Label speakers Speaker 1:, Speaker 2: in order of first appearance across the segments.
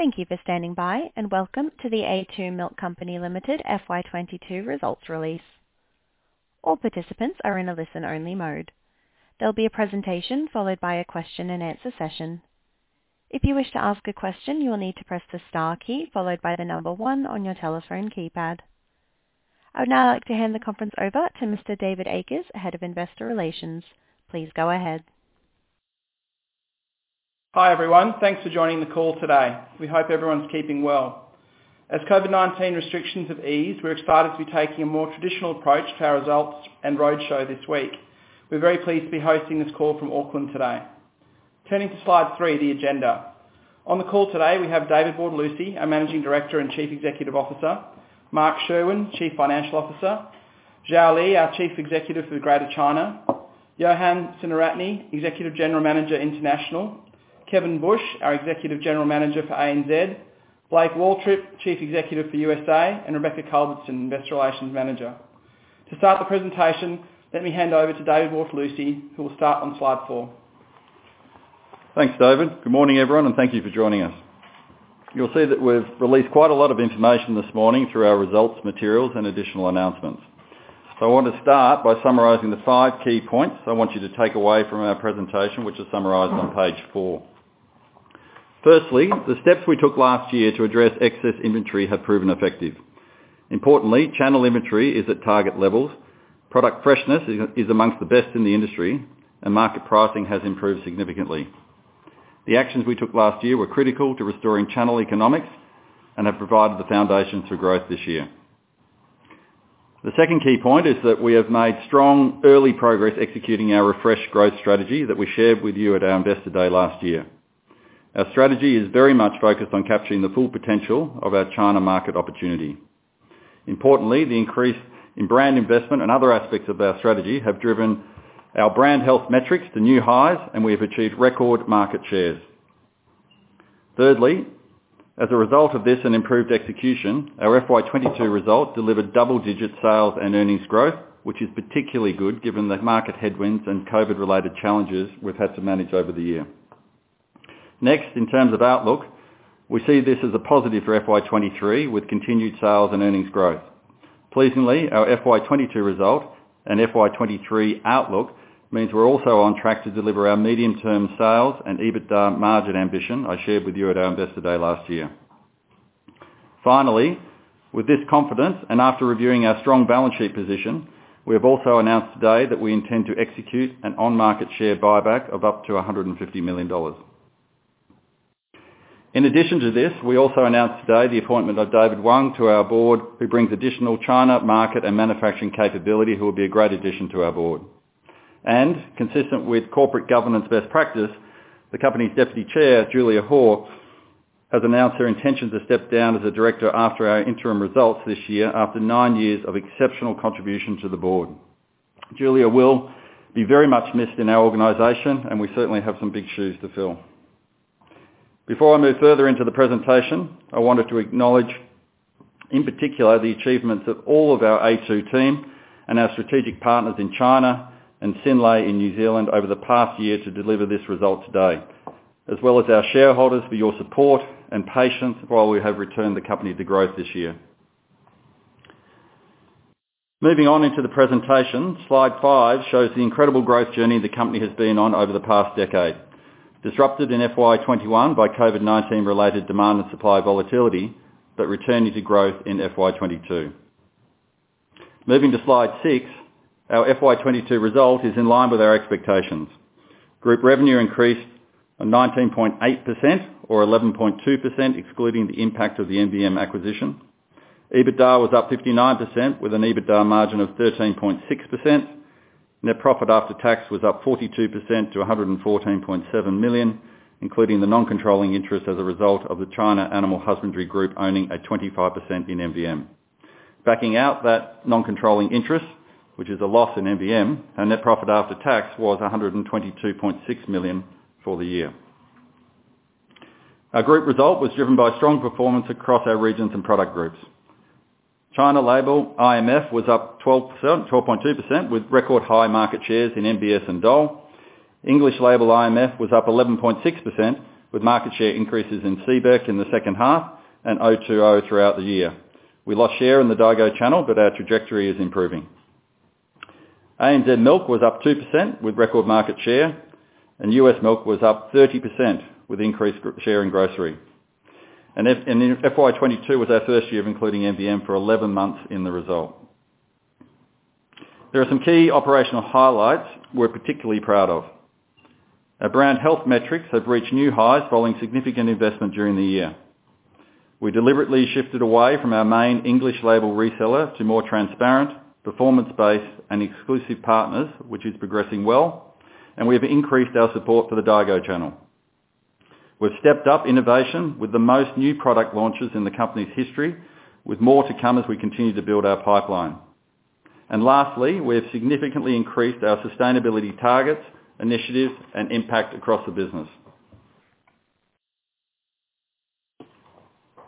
Speaker 1: Thank you for standing by, and welcome to The a2 Milk Company Limited FY 22 results release. All participants are in a listen-only mode. There'll be a presentation followed by a question and answer session. If you wish to ask a question, you will need to press the star key followed by the number one on your telephone keypad. I would now like to hand the conference over to Mr. David Akers, Head of Investor Relations. Please go ahead.
Speaker 2: Hi, everyone. Thanks for joining the call today. We hope everyone's keeping well. As COVID-19 restrictions have eased, we're excited to be taking a more traditional approach to our results and roadshow this week. We're very pleased to be hosting this call from Auckland today. Turning to slide three, the agenda. On the call today, we have David Bortolussi, our Managing Director and Chief Executive Officer, Mark Sherwin, Chief Financial Officer, Li Xiao, our Chief Executive for Greater China, Yohan Senaratne, Executive General Manager, International, Kevin Bush, our Executive General Manager for ANZ, Blake Waltrip, Chief Executive for USA, and Rebecca Culbertson, Investor Relations Manager. To start the presentation, let me hand over to David Bortolussi, who will start on slide four.
Speaker 3: Thanks, David. Good morning, everyone, and thank you for joining us. You'll see that we've released quite a lot of information this morning through our results, materials, and additional announcements. I want to start by summarizing the five key points I want you to take away from our presentation, which is summarized on page four. Firstly, the steps we took last year to address excess inventory have proven effective. Importantly, channel inventory is at target levels, product freshness is amongst the best in the industry, and market pricing has improved significantly. The actions we took last year were critical to restoring channel economics and have provided the foundation for growth this year. The second key point is that we have made strong early progress executing our refresh growth strategy that we shared with you at our Investor Day last year. Our strategy is very much focused on capturing the full potential of our China market opportunity. Importantly, the increase in brand investment and other aspects of our strategy have driven our brand health metrics to new highs, and we have achieved record market shares. Thirdly, as a result of this and improved execution, our FY 2022 results delivered double-digit sales and earnings growth, which is particularly good given the market headwinds and COVID-related challenges we've had to manage over the year. Next, in terms of outlook, we see this as a positive for FY 2023, with continued sales and earnings growth. Pleasingly, our FY 2022 result and FY 2023 outlook means we're also on track to deliver our medium-term sales and EBITDA margin ambition I shared with you at our Investor Day last year. Finally, with this confidence and after reviewing our strong balance sheet position, we have also announced today that we intend to execute an on-market share buyback of up to 150 million dollars. In addition to this, we also announced today the appointment of David Wang to our board, who brings additional China market and manufacturing capability, who will be a great addition to our board. Consistent with corporate governance best practice, the company's Deputy Chair, Julia Hoare, has announced her intention to step down as a director after our interim results this year, after nine years of exceptional contribution to the board. Julia will be very much missed in our organization, and we certainly have some big shoes to fill. Before I move further into the presentation, I wanted to acknowledge, in particular, the achievements of all of our a2 team and our strategic partners in China and Synlait in New Zealand over the past year to deliver this result today. As well as our shareholders for your support and patience while we have returned the company to growth this year. Moving on into the presentation, slide three shows the incredible growth journey the company has been on over the past decade. Disrupted in FY 2021 by COVID-19-related demand and supply volatility, but returning to growth in FY 2022. Moving to slide six, our FY 2022 result is in line with our expectations. Group revenue increased by 19.8% or 11.2%, excluding the impact of the MVM acquisition. EBITDA was up 59% with an EBITDA margin of 13.6%. Net profit after tax was up 42% to 114.7 million, including the non-controlling interest as a result of the China Animal Husbandry Group owning a 25% in MVM. Backing out that non-controlling interest, which is a loss in MVM, our net profit after tax was 122.6 million for the year. Our group result was driven by strong performance across our regions and product groups. China labelled IMF was up 12%, 12.2% with record high market shares in MBS and Dol. English labelled IMF was up 11.6% with market share increases in CBEC in the second half and O2O throughout the year. We lost share in the Daigou channel, but our trajectory is improving. A2 Milk was up 2% with record market share, and U.S Milk was up 30% with increased share in grocery. FY22 was our first year of including MVM for 11 months in the result. There are some key operational highlights we're particularly proud of. Our brand health metrics have reached new highs following significant investment during the year. We deliberately shifted away from our main English label reseller to more transparent, performance-based and exclusive partners, which is progressing well, and we have increased our support to the Daigou channel. We've stepped up innovation with the most new product launches in the company's history, with more to come as we continue to build our pipeline. Lastly, we have significantly increased our sustainability targets, initiatives, and impact across the business.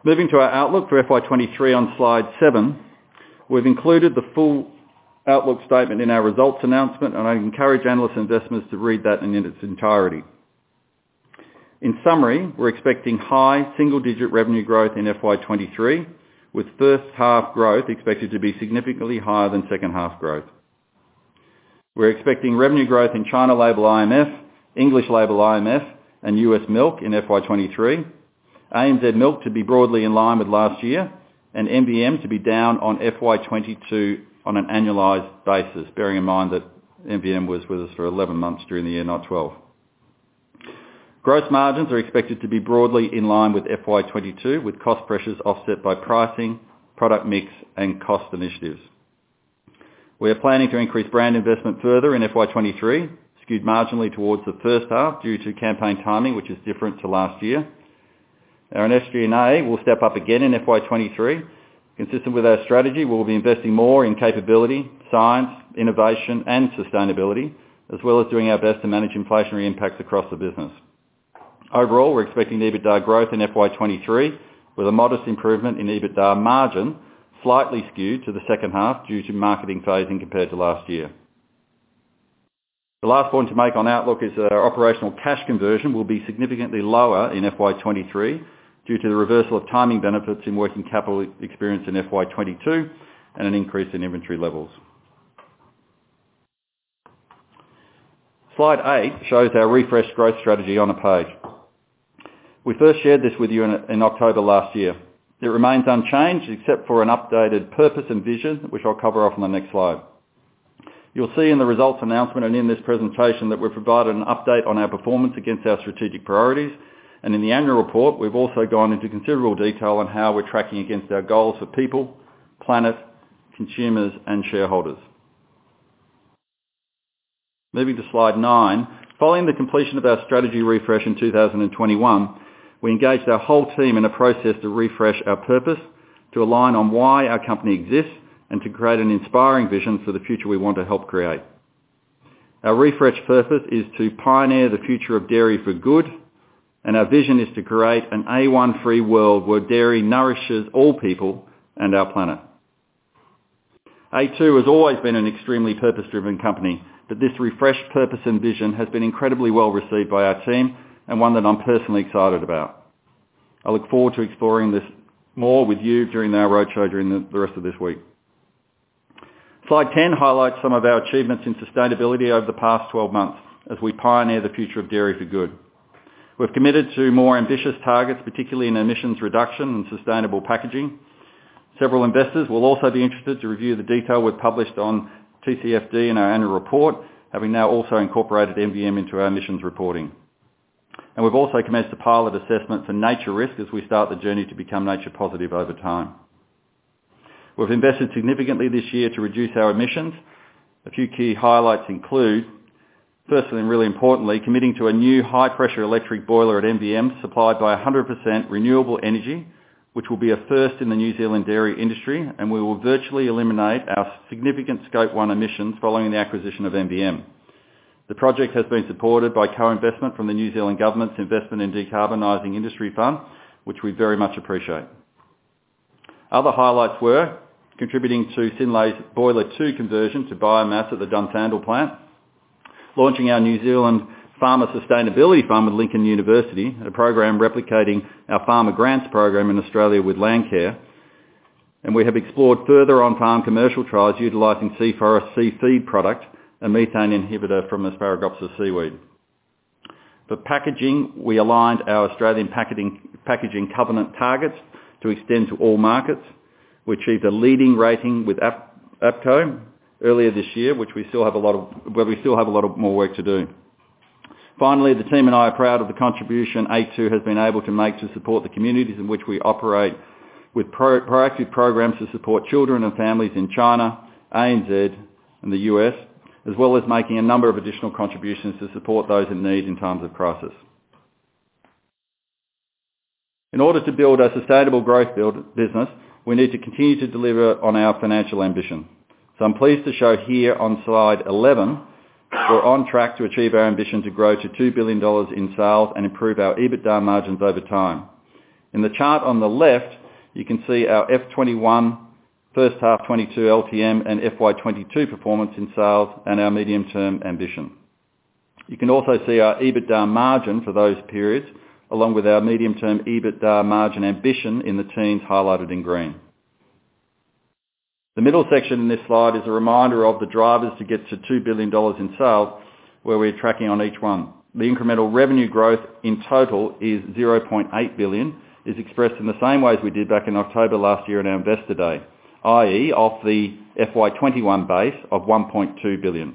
Speaker 3: Moving to our outlook for FY23 on slide seven. We've included the full outlook statement in our results announcement, and I encourage analysts and investors to read that in its entirety. In summary, we're expecting high single-digit revenue growth in FY23, with first half growth expected to be significantly higher than second half growth. We're expecting revenue growth in China label IMF, English label IMF, and U.S milk in FY23. ANZ milk to be broadly in line with last year, and MBM to be down on FY22 on an annualized basis, bearing in mind that MBM was with us for 11 months during the year, not 12. Gross margins are expected to be broadly in line with FY22, with cost pressures offset by pricing, product mix, and cost initiatives. We are planning to increase brand investment further in FY23, skewed marginally towards the first half due to campaign timing, which is different to last year. Our SG&A will step up again in FY23. Consistent with our strategy, we'll be investing more in capability, science, innovation, and sustainability, as well as doing our best to manage inflationary impacts across the business. Overall, we're expecting the EBITDA growth in FY23 with a modest improvement in EBITDA margin, slightly skewed to the second half due to marketing phasing compared to last year. The last point to make on outlook is that our operational cash conversion will be significantly lower in FY23 due to the reversal of timing benefits in working capital experienced in FY22, and an increase in inventory levels. Slide 8 shows our refresh growth strategy on a page. We first shared this with you in October last year. It remains unchanged except for an updated purpose and vision, which I'll cover off on the next slide. You'll see in the results announcement and in this presentation that we've provided an update on our performance against our strategic priorities. In the annual report, we've also gone into considerable detail on how we're tracking against our goals for people, planet, consumers, and shareholders. Moving to slide 9. Following the completion of our strategy refresh in 2021, we engaged our whole team in a process to refresh our purpose, to align on why our company exists, and to create an inspiring vision for the future we want to help create. Our refreshed purpose is to pioneer the future of dairy for good, and our vision is to create an A1-free world where dairy nourishes all people and our planet. A2 has always been an extremely purpose-driven company, but this refreshed purpose and vision has been incredibly well received by our team and one that I'm personally excited about. I look forward to exploring this more with you during our roadshow during the rest of this week. Slide 10 highlights some of our achievements in sustainability over the past 12 months as we pioneer the future of dairy for good. We've committed to more ambitious targets, particularly in emissions reduction and sustainable packaging. Several investors will also be interested to review the detail we've published on TCFD in our annual report, having now also incorporated MBM into our emissions reporting. We've also commenced the pilot assessment for nature risk as we start the journey to become nature positive over time. We've invested significantly this year to reduce our emissions. A few key highlights include, firstly and really importantly, committing to a new high-pressure electric boiler at MBM supplied by 100% renewable energy, which will be a first in the New Zealand dairy industry, and we will virtually eliminate our significant scope one emissions following the acquisition of MBM. The project has been supported by co-investment from the New Zealand Government's Investment in Decarbonizing Industry Fund, which we very much appreciate. Other highlights were contributing to Synlait's Boiler two conversion to biomass at the Dunsandel plant. Launching our New Zealand Farmer Sustainability Farm at Lincoln University, a program replicating our Farmer Grants program in Australia with Landcare. We have explored further on-farm commercial trials utilizing Sea Forest SeaFeed product, a methane inhibitor from Asparagopsis seaweed. For packaging, we aligned our Australian Packaging Covenant targets to extend to all markets. We achieved a leading rating with APCO earlier this year, which we still have a lot of more work to do. Finally, the team and I are proud of the contribution A2 has been able to make to support the communities in which we operate with proactive programs to support children and families in China, ANZ and the US, as well as making a number of additional contributions to support those in need in times of crisis. In order to build a sustainable business, we need to continue to deliver on our financial ambition. I'm pleased to show here on slide 11, we're on track to achieve our ambition to grow to 2 billion dollars in sales and improve our EBITDA margins over time. In the chart on the left, you can see our FY21, first half 2022 LTM and FY22 performance in sales and our medium-term ambition. You can also see our EBITDA margin for those periods, along with our medium-term EBITDA margin ambition in the teens highlighted in green. The middle section in this slide is a reminder of the drivers to get to 2 billion dollars in sales, where we're tracking on each one. The incremental revenue growth in total is 0.8 billion, is expressed in the same way as we did back in October last year at our Investor Day, i.e., off the FY21 base of 1.2 billion.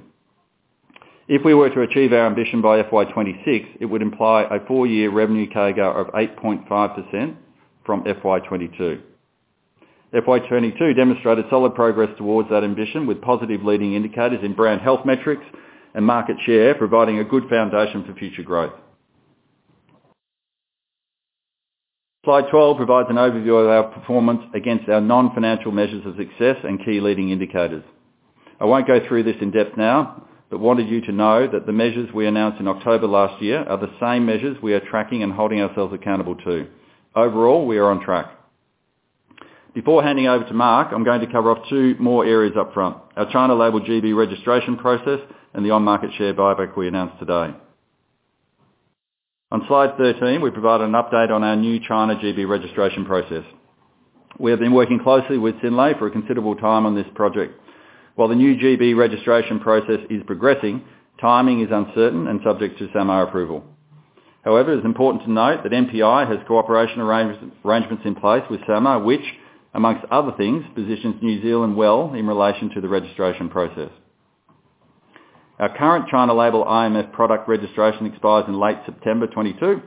Speaker 3: If we were to achieve our ambition by FY 2026, it would imply a four-year revenue CAGR of 8.5% from FY22. FY22 demonstrated solid progress towards that ambition with positive leading indicators in brand health metrics and market share, providing a good foundation for future growth. Slide 12 provides an overview of our performance against our non-financial measures of success and key leading indicators. I won't go through this in depth now, but wanted you to know that the measures we announced in October last year are the same measures we are tracking and holding ourselves accountable to. Overall, we are on track. Before handing over to Mark, I'm going to cover off two more areas up front: our China label GB registration process and the on-market share buyback we announced today. On Slide 13, we provide an update on our new China GB registration process. We have been working closely with Synlait for a considerable time on this project. While the new GB registration process is progressing, timing is uncertain and subject to SAMR approval. However, it's important to note that MPI has cooperation arrangements in place with SAMR, which, among other things, positions New Zealand well in relation to the registration process. Our current China Label IMF product registration expires in late September 2022.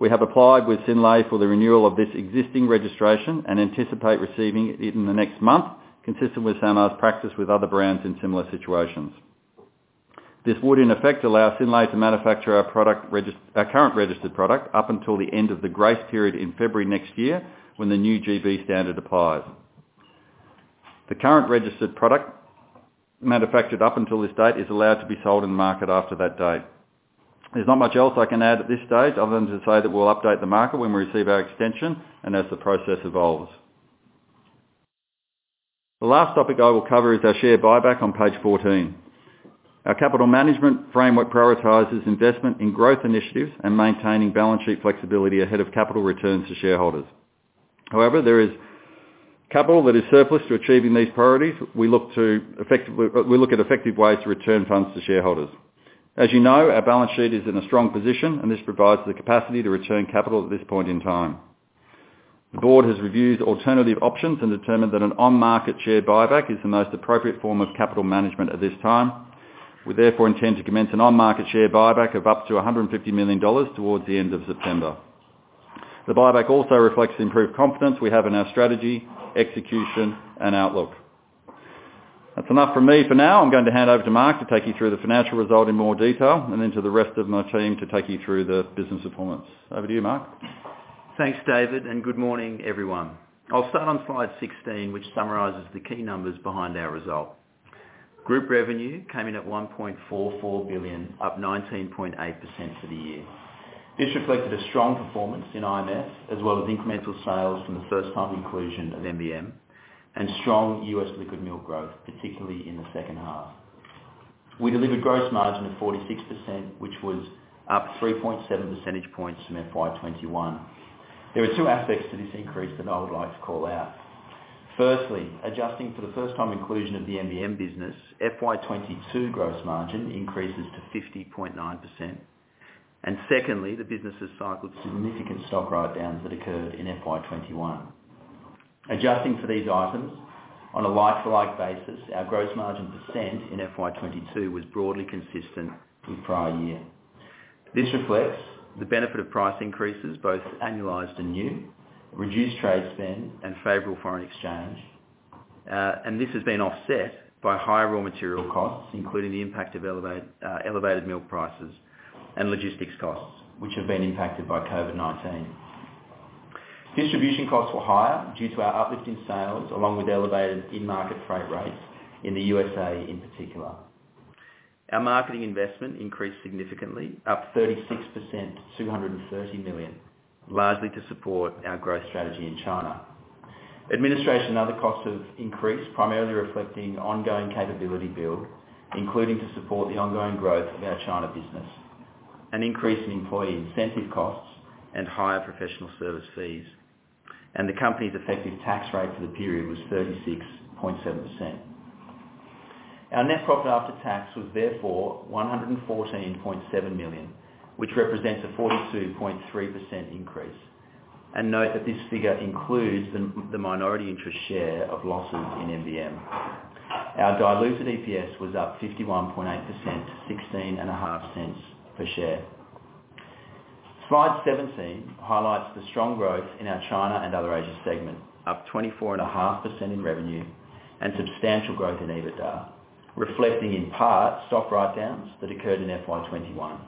Speaker 3: We have applied with Synlait for the renewal of this existing registration and anticipate receiving it in the next month, consistent with SAMR's practice with other brands in similar situations. This would, in effect, allow Synlait to manufacture our current registered product up until the end of the grace period in February next year, when the new GB standard applies. The current registered product manufactured up until this date is allowed to be sold in the market after that date. There's not much else I can add at this stage other than to say that we'll update the market when we receive our extension and as the process evolves. The last topic I will cover is our share buyback on page 14. Our capital management framework prioritizes investment in growth initiatives and maintaining balance sheet flexibility ahead of capital returns to shareholders. However, there is capital that is surplus to achieving these priorities. We look at effective ways to return funds to shareholders. As you know, our balance sheet is in a strong position, and this provides the capacity to return capital at this point in time. The board has reviewed alternative options and determined that an on-market share buyback is the most appropriate form of capital management at this time. We therefore intend to commence an on-market share buyback of up to 150 million dollars towards the end of September. The buyback also reflects the improved confidence we have in our strategy, execution, and outlook. That's enough for me for now. I'm going to hand over to Mark to take you through the financial result in more detail and then to the rest of my team to take you through the business performance. Over to you, Mark.
Speaker 4: Thanks, David, and good morning, everyone. I'll start on slide 16, which summarizes the key numbers behind our result. Group revenue came in at 1.44 billion, up 19.8% for the year. This reflected a strong performance in IMF, as well as incremental sales from the first time inclusion of MBM and strong US liquid milk growth, particularly in the second half. We delivered gross margin of 46%, which was up 3.7 percentage points from FY 2021. There are two aspects to this increase that I would like to call out. Firstly, adjusting for the first time inclusion of the MBM business, FY 2022 gross margin increases to 50.9%. Secondly, the business's cycled significant stock write-downs that occurred in FY 2021. Adjusting for these items on a like-for-like basis, our gross margin percent in FY 2022 was broadly consistent with prior year. This reflects the benefit of price increases, both annualized and new, reduced trade spend and favorable foreign exchange. This has been offset by higher raw material costs, including the impact of elevated milk prices and logistics costs, which have been impacted by COVID-19. Distribution costs were higher due to our uplift in sales, along with elevated in-market freight rates in the USA, in particular. Our marketing investment increased significantly, up 36% to 230 million, largely to support our growth strategy in China. Administration and other costs have increased, primarily reflecting ongoing capability build, including to support the ongoing growth of our China business, an increase in employee incentive costs, and higher professional service fees. The company's effective tax rate for the period was 36.7%. Our net profit after tax was therefore 114.7 million, which represents a 42.3% increase. Note that this figure includes the minority interest share of losses in MBM. Our diluted EPS was up 51.8%, 0.165 per share. Slide 17 highlights the strong growth in our China and Other Asia segment, up 24.5% in revenue and substantial growth in EBITDA, reflecting in part stock write-downs that occurred in FY 2021.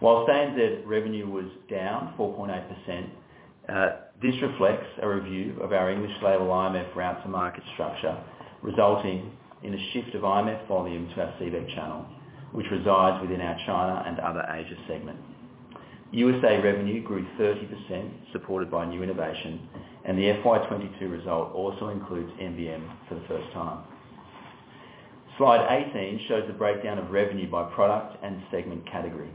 Speaker 4: While ANZ revenue was down 4.8%, this reflects a review of our English label IMF route to market structure, resulting in a shift of IMF volume to our CBEC channel, which resides within our China and Other Asia segment. USA revenue grew 30%, supported by new innovation, and the FY 2022 result also includes MBM for the first time. Slide 18 shows the breakdown of revenue by product and segment category.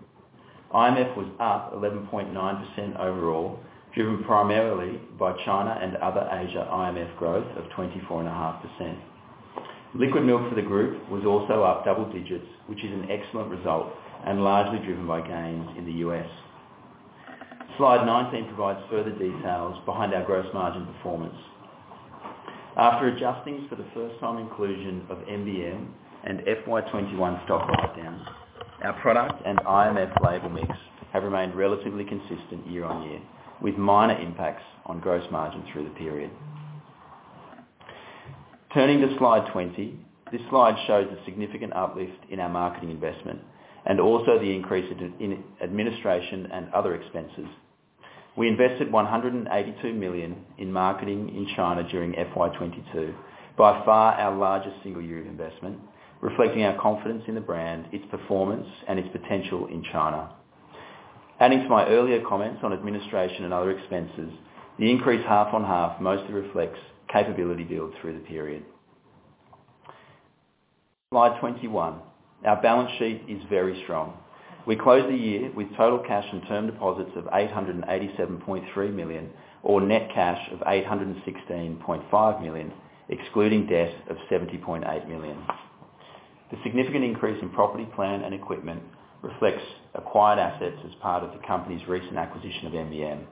Speaker 4: IMF was up 11.9% overall, driven primarily by China and Other Asia IMF growth of 24.5%. Liquid milk for the group was also up double digits, which is an excellent result and largely driven by gains in the U.S. Slide 19 provides further details behind our gross margin performance. After adjusting for the first time inclusion of MBM and FY 2021 stock write-downs, our product and IMF label mix have remained relatively consistent year-over-year, with minor impacts on gross margin through the period. Turning to slide 20, this slide shows a significant uplift in our marketing investment and also the increase in administration and other expenses. We invested 182 million in marketing in China during FY 2022. By far our largest single year investment, reflecting our confidence in the brand, its performance, and its potential in China. Adding to my earlier comments on administration and other expenses, the increase half on half mostly reflects capability build through the period. Slide 21. Our balance sheet is very strong. We closed the year with total cash and term deposits of 887.3 million, or net cash of 816.5 million, excluding debt of 70.8 million. The significant increase in property, plant, and equipment reflects acquired assets as part of the company's recent acquisition of MVM.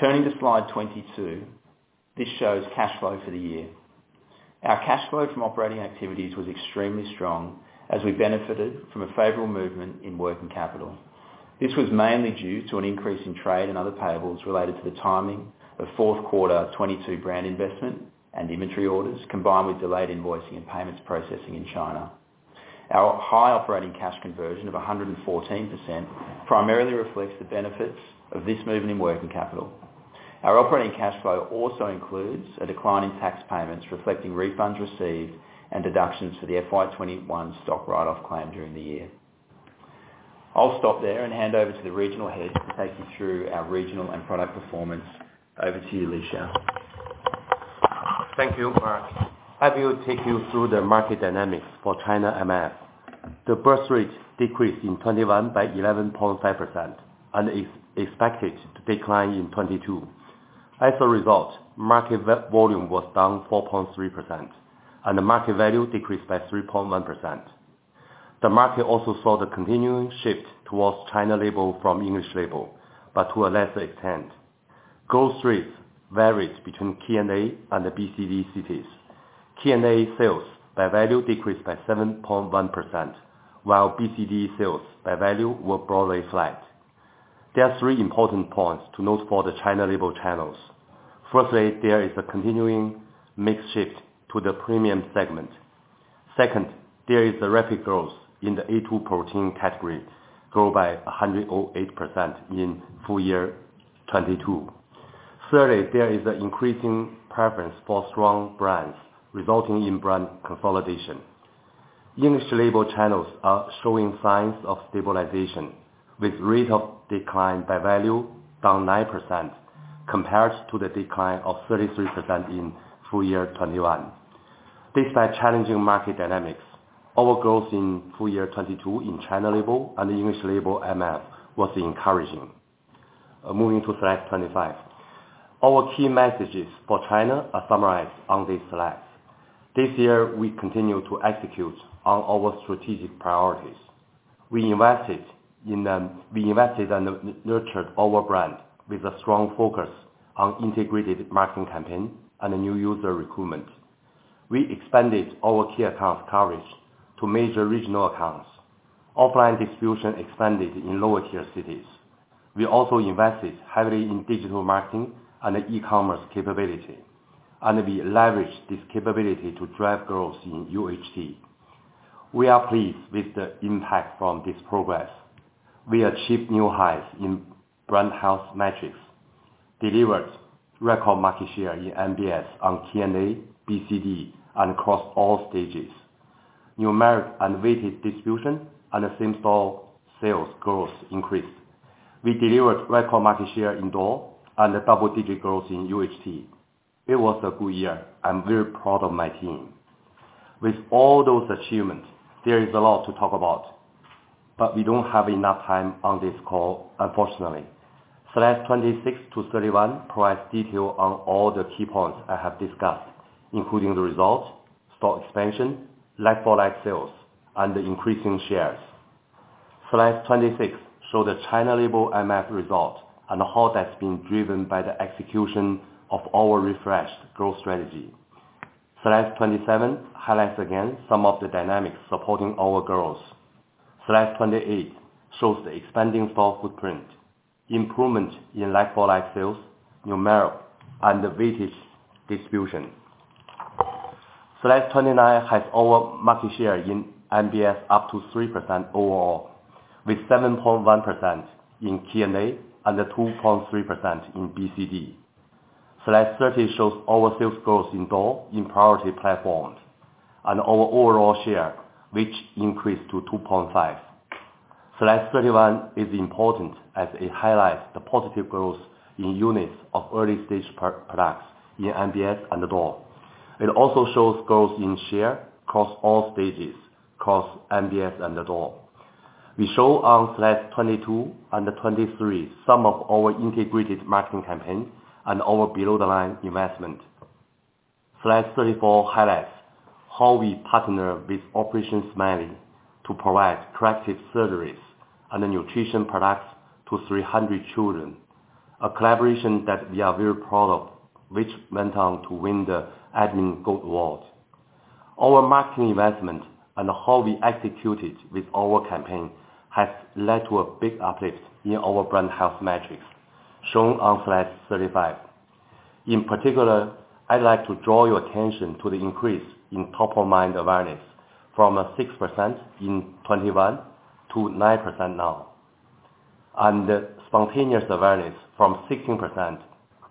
Speaker 4: Turning to slide 22. This shows cash flow for the year. Our cash flow from operating activities was extremely strong as we benefited from a favorable movement in working capital. This was mainly due to an increase in trade and other payables related to the timing of fourth quarter 2022 brand investment and inventory orders, combined with delayed invoicing and payments processing in China. Our high operating cash conversion of 114% primarily reflects the benefits of this movement in working capital. Our operating cash flow also includes a decline in tax payments, reflecting refunds received and deductions for the FY 2021 stock write-off claim during the year. I'll stop there and hand over to the regional head to take you through our regional and product performance. Over to you, Li Xiao.
Speaker 5: Thank you, Mark. I will take you through the market dynamics for China IMF. The birth rate decreased in 2021 by 11.5% and is expected to decline in 2022. As a result, market volume was down 4.3% and the market value decreased by 3.1%. The market also saw the continuing shift towards China label from English label, but to a lesser extent. Growth rates varied between K&A and the BCD cities. K&A sales by value decreased by 7.1%, while BCD sales by value were broadly flat. There are three important points to note for the China label channels. Firstly, there is a continuing mixed shift to the premium segment. Second, there is a rapid growth in the a2 protein category, grew by 108% in full year 2022. Thirdly, there is an increasing preference for strong brands, resulting in brand consolidation. English label channels are showing signs of stabilization, with rate of decline by value down 9% compared to the decline of 33% in full year 2021. Despite challenging market dynamics, our growth in full year 2022 in China label and English label IMF was encouraging. Moving to slide 25. Our key messages for China are summarized on this slide. This year we continue to execute on our strategic priorities. We invested and nurtured our brand with a strong focus on integrated marketing campaign and new user recruitment. We expanded our key account coverage to major regional accounts. Offline distribution expanded in lower tier cities. We also invested heavily in digital marketing and e-commerce capability. We leveraged this capability to drive growth in UHT. We are pleased with the impact from this progress. We achieved new highs in brand health metrics, delivered record market share in MBS on K&A, BCD, and across all stages. Numeric unweighted distribution and same-store sales growth increased. We delivered record market share in-store and a double-digit growth in UHT. It was a good year. I'm very proud of my team. With all those achievements, there is a lot to talk about, but we don't have enough time on this call, unfortunately. Slides 26-31 provides detail on all the key points I have discussed, including the results, store expansion, like-for-like sales, and the increasing shares. Slide 26 show the China label IMF result and how that's been driven by the execution of our refreshed growth strategy. Slide 27 highlights again some of the dynamics supporting our growth. Slide 28 shows the expanding store footprint, improvement in like-for-like sales, numerical, and the weighted distribution. Slide 29 has our market share in MBS up to 3% overall, with 7.1% in K&A and 2.3% in BCD. Slide 30 shows our sales growth in Daigou in priority platforms and our overall share, which increased to 2.5%. Slide 31 is important as it highlights the positive growth in units of early stage pro-products in MBS and Daigou. It also shows growth in share across all stages, across MBS and Daigou. We show on slide 22 and 23 some of our integrated marketing campaigns and our below the line investment. Slide 34 highlights how we partner with Operation Smile to provide corrective surgeries and the nutrition products to 300 children, a collaboration that we are very proud of, which went on to win the ADMA Gold Awards. Our marketing investment and how we executed with our campaign has led to a big uplift in our brand health metrics shown on slide 35. In particular, I'd like to draw your attention to the increase in top-of-mind awareness from 6% in 2021 to 9% now. Spontaneous awareness from 16%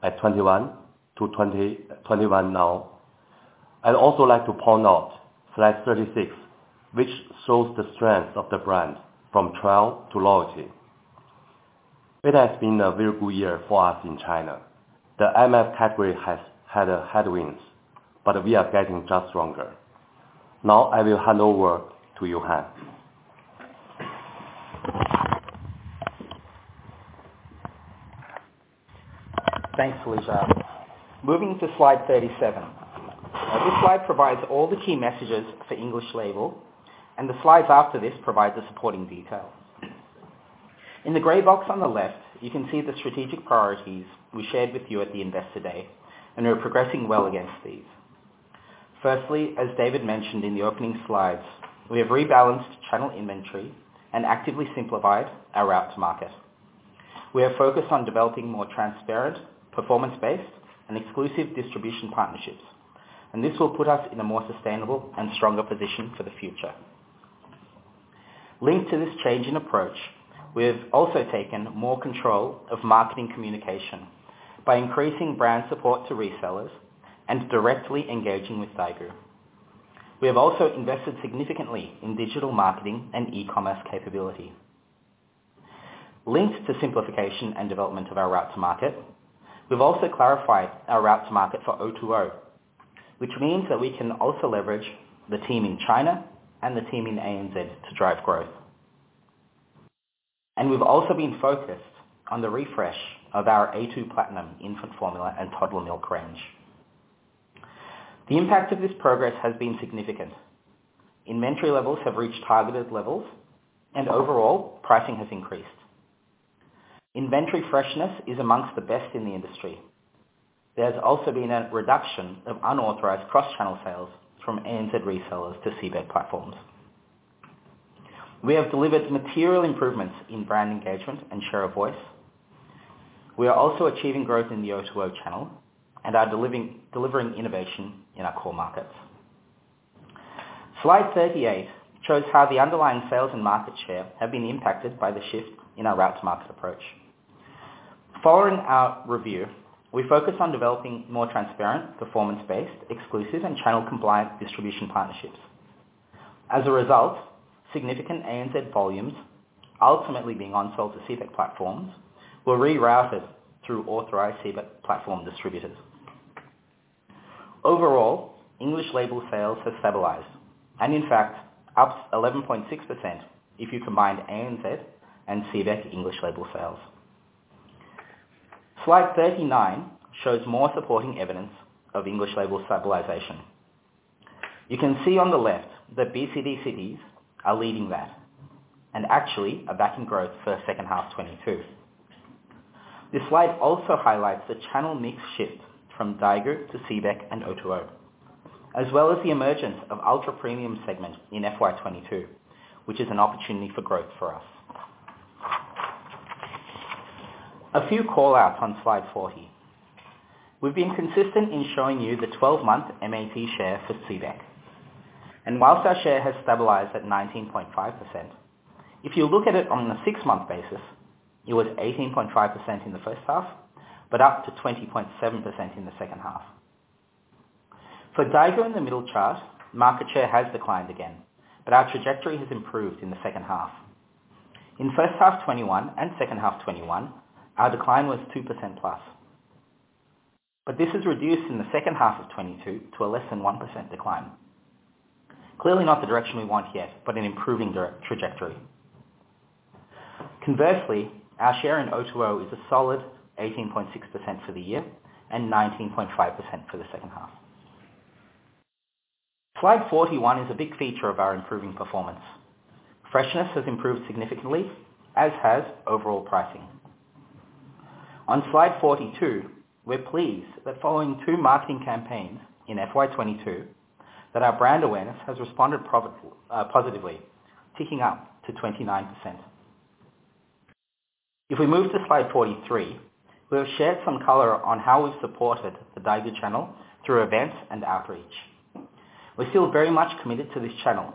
Speaker 5: at 2021 to 21% now. I'd also like to point out slide 36, which shows the strength of the brand from trial to loyalty. It has been a very good year for us in China. The IMF category has had headwinds, but we are getting just stronger. Now I will hand over to Yohan.
Speaker 6: Thanks, Li Xiao. Moving to slide 37. Now, this slide provides all the key messages for English Label, and the slides after this provide the supporting detail. In the gray box on the left, you can see the strategic priorities we shared with you at the Investor Day, and we're progressing well against these. Firstly, as David mentioned in the opening slides, we have rebalanced channel inventory and actively simplified our route to market. We are focused on developing more transparent, performance-based and exclusive distribution partnerships, and this will put us in a more sustainable and stronger position for the future. Linked to this change in approach, we have also taken more control of marketing communication by increasing brand support to resellers and directly engaging with Daigou. We have also invested significantly in digital marketing and e-commerce capability. Linked to simplification and development of our route to market, we've also clarified our route to market for O2O, which means that we can also leverage the team in China and the team in ANZ to drive growth. We've also been focused on the refresh of our a2 Platinum infant formula and toddler milk range. The impact of this progress has been significant. Inventory levels have reached targeted levels, and overall pricing has increased. Inventory freshness is among the best in the industry. There's also been a reduction of unauthorized cross-channel sales from ANZ resellers to CBEC platforms. We have delivered material improvements in brand engagement and share of voice. We are also achieving growth in the O2O channel and are delivering innovation in our core markets. Slide 38 shows how the underlying sales and market share have been impacted by the shift in our route to market approach. Following our review, we focused on developing more transparent, performance-based, exclusive and channel compliant distribution partnerships. As a result, significant ANZ volumes ultimately being onsold to CBEC platforms were rerouted through authorized CBEC platform distributors. Overall, English Label sales have stabilized and in fact up 11.6% if you combined ANZ and CBEC English Label sales. Slide 39 shows more supporting evidence of English Label stabilization. You can see on the left that BCD cities are leading that and actually are back in growth for second half 2022. This slide also highlights the channel mix shift from Daigou to CBEC and O2O, as well as the emergence of ultra-premium segment in FY 2022, which is an opportunity for growth for us. A few callouts on slide 40. We've been consistent in showing you the 12-month MAP share for CBEC, and while our share has stabilized at 19.5%, if you look at it on a six-month basis, it was 18.5% in the first half, but up to 20.7% in the second half. For Daigou in the middle chart, market share has declined again, but our trajectory has improved in the second half. In first half 2021 and second half 2021, our decline was 2% plus. But this has reduced in the second half of 2022 to a less than 1% decline. Clearly not the direction we want yet, but an improving trajectory. Conversely, our share in O2O is a solid 18.6% for the year and 19.5% for the second half. Slide 41 is a big feature of our improving performance. Freshness has improved significantly, as has overall pricing. On Slide 42, we're pleased that following two marketing campaigns in FY 2022, that our brand awareness has responded positively, ticking up to 29%. If we move to slide 43, we have shared some color on how we've supported the Daigou channel through events and outreach. We're still very much committed to this channel,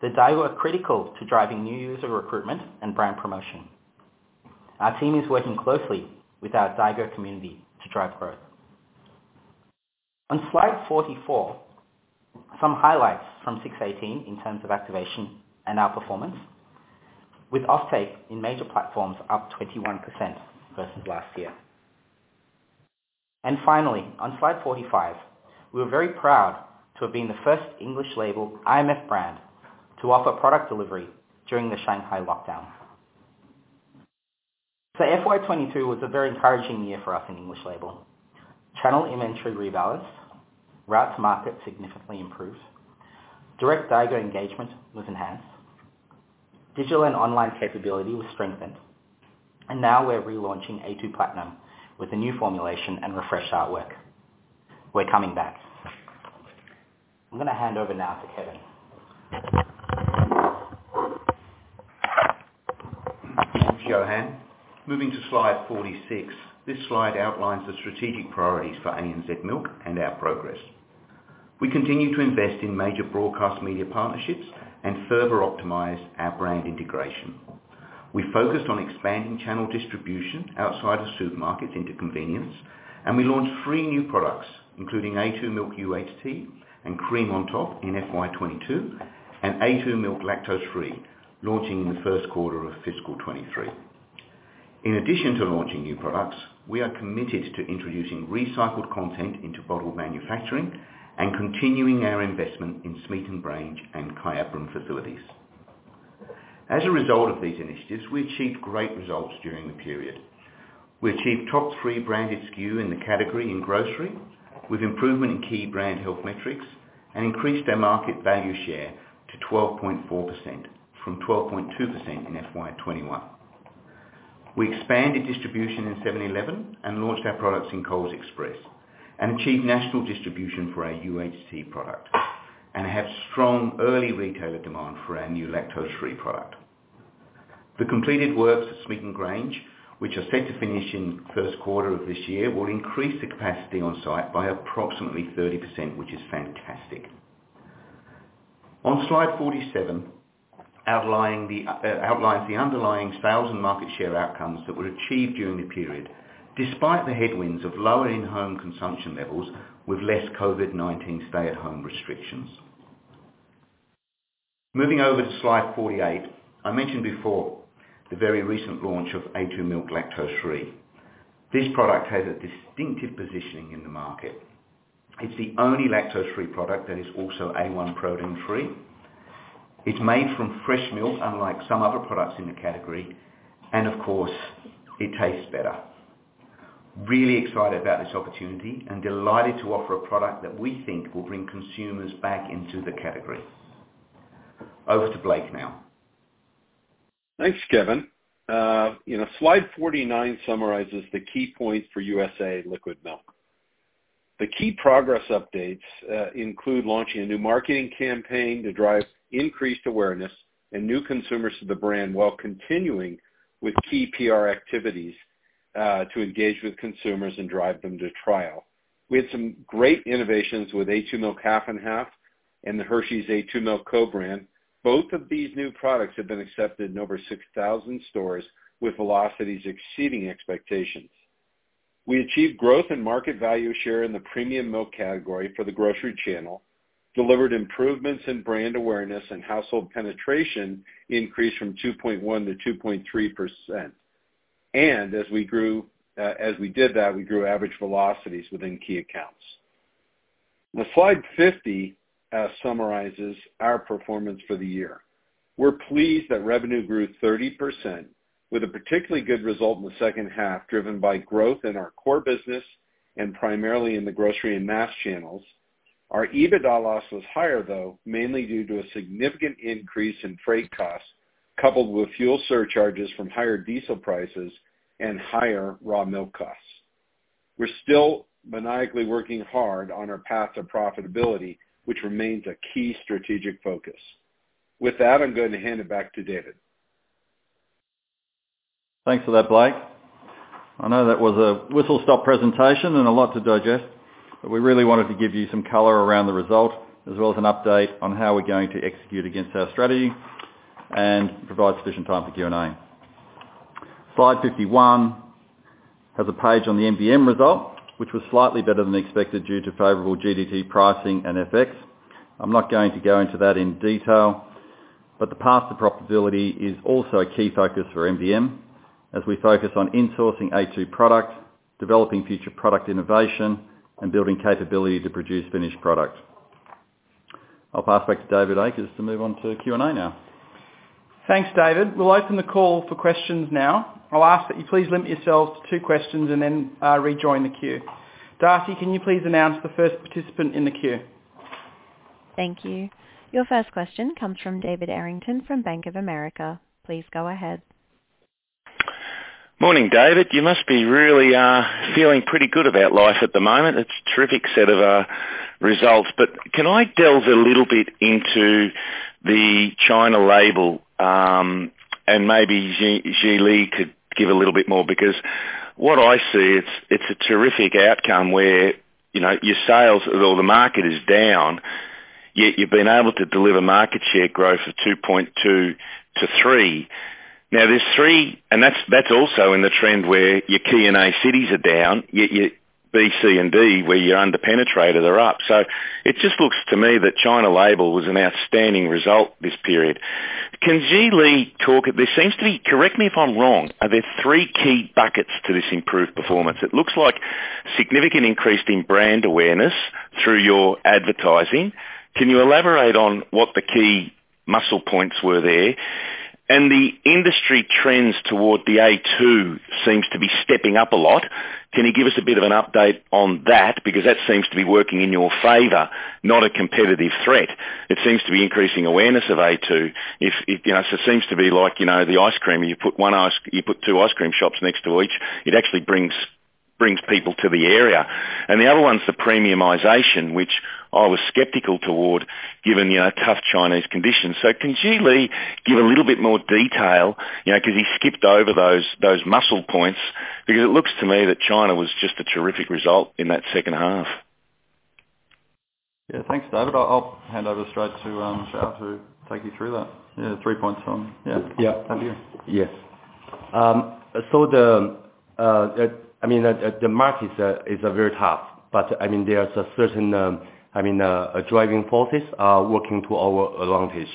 Speaker 6: that they were critical to driving new user recruitment and brand promotion. Our team is working closely with our Daigou community to drive growth. On slide 44, some highlights from 618 in terms of activation and outperformance with offtake in major platforms up 21% versus last year. Finally, on slide 45, we are very proud to have been the first English Label IMF brand to offer product delivery during the Shanghai lockdown. FY 2022 was a very encouraging year for us in infant label. Channel inventory rebalanced, route to market significantly improved, direct Daigou engagement was enhanced, digital and online capability was strengthened, and now we're relaunching a2 Platinum with a new formulation and refreshed artwork. We're coming back. I'm gonna hand over now to Kevin.
Speaker 7: Thanks, Yohan. Moving to slide 46. This slide outlines the strategic priorities for ANZ Milk and our progress. We continue to invest in major broadcast media partnerships and further optimize our brand integration. We focused on expanding channel distribution outside of supermarkets into convenience, and we launched three new products, including a2 Milk UHT and Cream on Top in FY 2022, and a2 Milk Lactose Free launching in the first quarter of fiscal 2023. In addition to launching new products, we are committed to introducing recycled content into bottle manufacturing and continuing our investment in Smeaton Grange and Kyabram facilities. As a result of these initiatives, we achieved great results during the period. We achieved top three branded SKU in the category in grocery, with improvement in key brand health metrics, and increased our market value share to 12.4% from 12.2% in FY 2021. We expanded distribution in Seven-Eleven and launched our products in Coles Express, and achieved national distribution for our UHT product, and have strong early retailer demand for our new lactose-free product. The completed works at Smeaton Grange, which are set to finish in first quarter of this year, will increase the capacity on site by approximately 30%, which is fantastic. On slide 47, outlining the underlying sales and market share outcomes that were achieved during the period, despite the headwinds of lower in-home consumption levels with less COVID-19 stay-at-home restrictions. Moving over to slide 48. I mentioned before the very recent launch of a2 Milk Lactose Free. This product has a distinctive positioning in the market. It's the only lactose-free product that is also A1 protein free. It's made from fresh milk, unlike some other products in the category, and of course, it tastes better. Really excited about this opportunity and delighted to offer a product that we think will bring consumers back into the category. Over to Blake now.
Speaker 8: Thanks, Kevin. You know, slide 49 summarizes the key points for USA liquid milk. The key progress updates include launching a new marketing campaign to drive increased awareness and new consumers to the brand, while continuing with key PR activities to engage with consumers and drive them to trial. We had some great innovations with a2 Milk Half & Half and the Hershey's a2 Milk co-brand. Both of these new products have been accepted in over 6,000 stores with velocities exceeding expectations. We achieved growth in market value share in the premium milk category for the grocery channel, delivered improvements in brand awareness, and household penetration increased from 2.1%-2.3%. As we grew, we grew average velocities within key accounts. Slide 50 summarizes our performance for the year. We're pleased that revenue grew 30% with a particularly good result in the second half, driven by growth in our core business and primarily in the grocery and mass channels. Our EBITDA loss was higher, though, mainly due to a significant increase in freight costs, coupled with fuel surcharges from higher diesel prices and higher raw milk costs. We're still maniacally working hard on our path to profitability, which remains a key strategic focus. With that, I'm going to hand it back to David.
Speaker 7: Thanks for that, Blake. I know that was a whistle-stop presentation and a lot to digest, but we really wanted to give you some color around the result, as well as an update on how we're going to execute against our strategy and provide sufficient time for Q&A. Slide 51 has a page on the MBM result, which was slightly better than expected due to favorable GDT pricing and FX. I'm not going to go into that in detail, but the path to profitability is also a key focus for MBM as we focus on in-sourcing a2 product, developing future product innovation, and building capability to produce finished product. I'll pass back to David Akers to move on to Q&A now.
Speaker 2: Thanks, David. We'll open the call for questions now. I'll ask that you please limit yourselves to two questions and then rejoin the queue. Darcy, can you please announce the first participant in the queue?
Speaker 1: Thank you. Your first question comes from David Errington from Bank of America. Please go ahead.
Speaker 9: Morning, David. You must be really feeling pretty good about life at the moment. It's a terrific set of results. Can I delve a little bit into the China label? Maybe Xiao Li could give a little bit more, because what I see, it's a terrific outcome where, you know, your sales or the market is down, yet you've been able to deliver market share growth of 2.2%-3%. Now there's three. That's also in the trend where your K&A cities are down, yet your B, C and D, where you're under-penetrated, are up. It just looks to me that China label was an outstanding result this period. Can Xiao Li talk at this? Seems to be, correct me if I'm wrong, are there three key buckets to this improved performance? It looks like significant increase in brand awareness through your advertising. Can you elaborate on what the key messaging points were there? The industry trends toward the a2 seems to be stepping up a lot. Can you give us a bit of an update on that? Because that seems to be working in your favor, not a competitive threat. It seems to be increasing awareness of a2. If you know, so it seems to be like, you know, the ice cream, you put two ice cream shops next to each, it actually brings people to the area. The other one's the premiumization, which I was skeptical toward given, you know, tough Chinese conditions. Can Li Xiao give a little bit more detail, you know, 'cause he skipped over those must-see points, because it looks to me that China was just a terrific result in that second half.
Speaker 3: Yeah. Thanks, David. I'll hand over straight to Li Xiao to take you through that. Yeah, three points from, yeah.
Speaker 9: Yeah.
Speaker 3: Over to you.
Speaker 5: Yes. So the market is very tough, but I mean, there's a certain driving forces working to our advantage.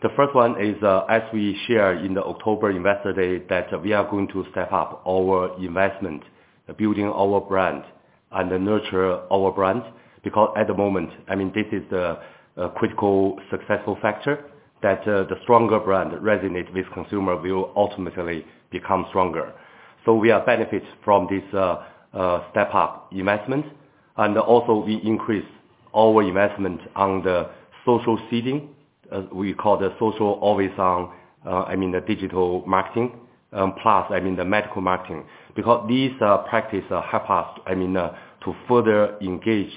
Speaker 5: The first one is, as we share in the October Investor Day that we are going to step up our investment, building our brand and then nurture our brand. Because at the moment, I mean, this is the critical successful factor that the stronger brand resonate with consumer will ultimately become stronger. So we are benefit from this step up investment. Also we increase our investment on the social seeding, as we call the social always on, the digital marketing, plus the medical marketing. Because these practices help us, I mean, to further engage,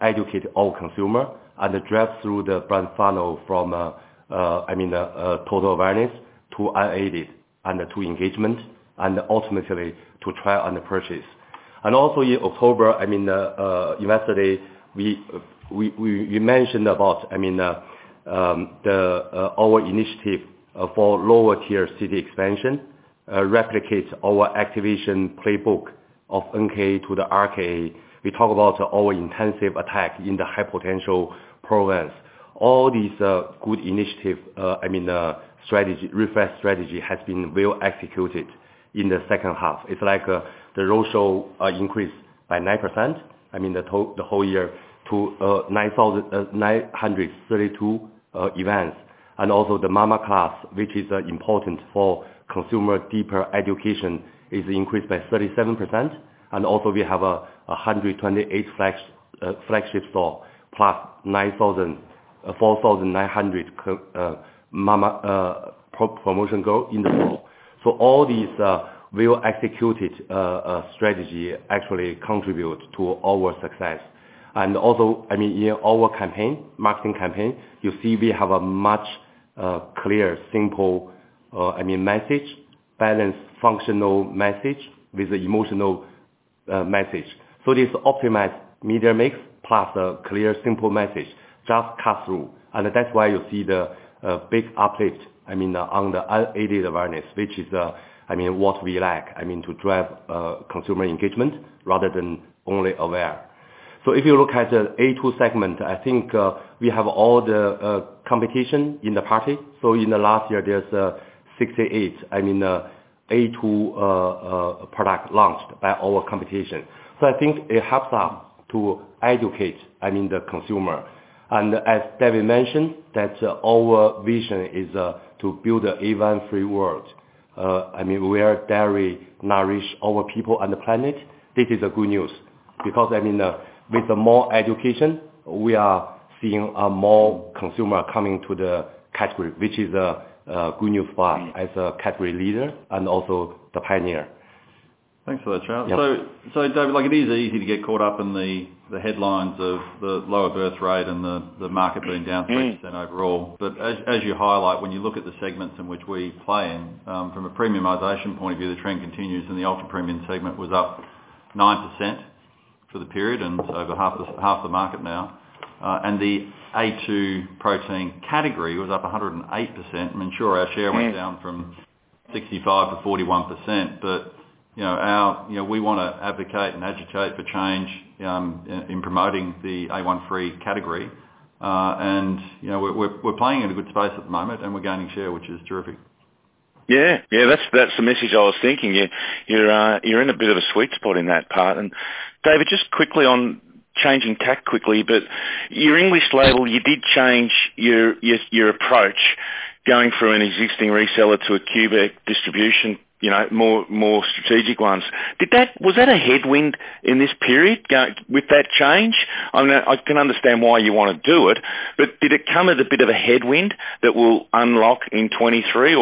Speaker 5: educate all consumers and drive through the brand funnel from, I mean, the total awareness to unaided and to engagement and ultimately to try and purchase. Also in October, I mean, yesterday, we mentioned about, I mean, our initiative for lower tier city expansion replicates our activation playbook of NK to the RK. We talk about our intensive attack in the high potential province. All these good initiatives, I mean, strategy refresh strategy has been well executed in the second half. It's like the roadshow increased by 9%, I mean, the whole year to 9,932 events. The mama class, which is important for consumer deeper education, is increased by 37%. We have 128 flagship stores plus 9,000 and 4,900 mama promotions in the world. All these well executed strategies actually contribute to our success. I mean, in our campaign, marketing campaign, you see we have a much clearer simple I mean message, balance functional message with the emotional message. This optimized media mix plus a clear simple message just cut through. That's why you see the big uplift, I mean, on the unaided awareness, which is I mean what we like. I mean, to drive consumer engagement rather than only awareness. If you look at the a2 segment, I think we have all the competition in the category. In the last year, there's 68, I mean, a2 products launched by our competition. I think it helps us to educate, I mean, the consumer. As David mentioned, our vision is to build an A1-free world, I mean, where dairy nourish our people on the planet. This is good news because, I mean, with the more education, we are seeing more consumers coming to the category, which is a good news for us as a category leader and also the pioneer.
Speaker 3: Thanks for that, Li Xiao.
Speaker 5: Yeah.
Speaker 9: David, like it is easy to get caught up in the headlines of the lower birth rate and the market being down.30% overall. As you highlight, when you look at the segments in which we play in, from a premiumization point of view, the trend continues and the ultra premium segment was up 9% for the period and over half the market now. The A2 protein category was up 108%. I mean, sure, our share went down from 65%-41%. You know, we wanna advocate and agitate for change, in promoting the A1-free category. You know, we're playing in a good space at the moment and we're gaining share, which is terrific. That's the message I was thinking. You're in a bit of a sweet spot in that part. David, just quickly on changing tack, but your English label, you did change your approach going through an existing reseller to a direct distribution, you know, more strategic ones. Was that a headwind in this period with that change? I mean, I can understand why you wanna do it, but did it come as a bit of a headwind that will unlock in 2023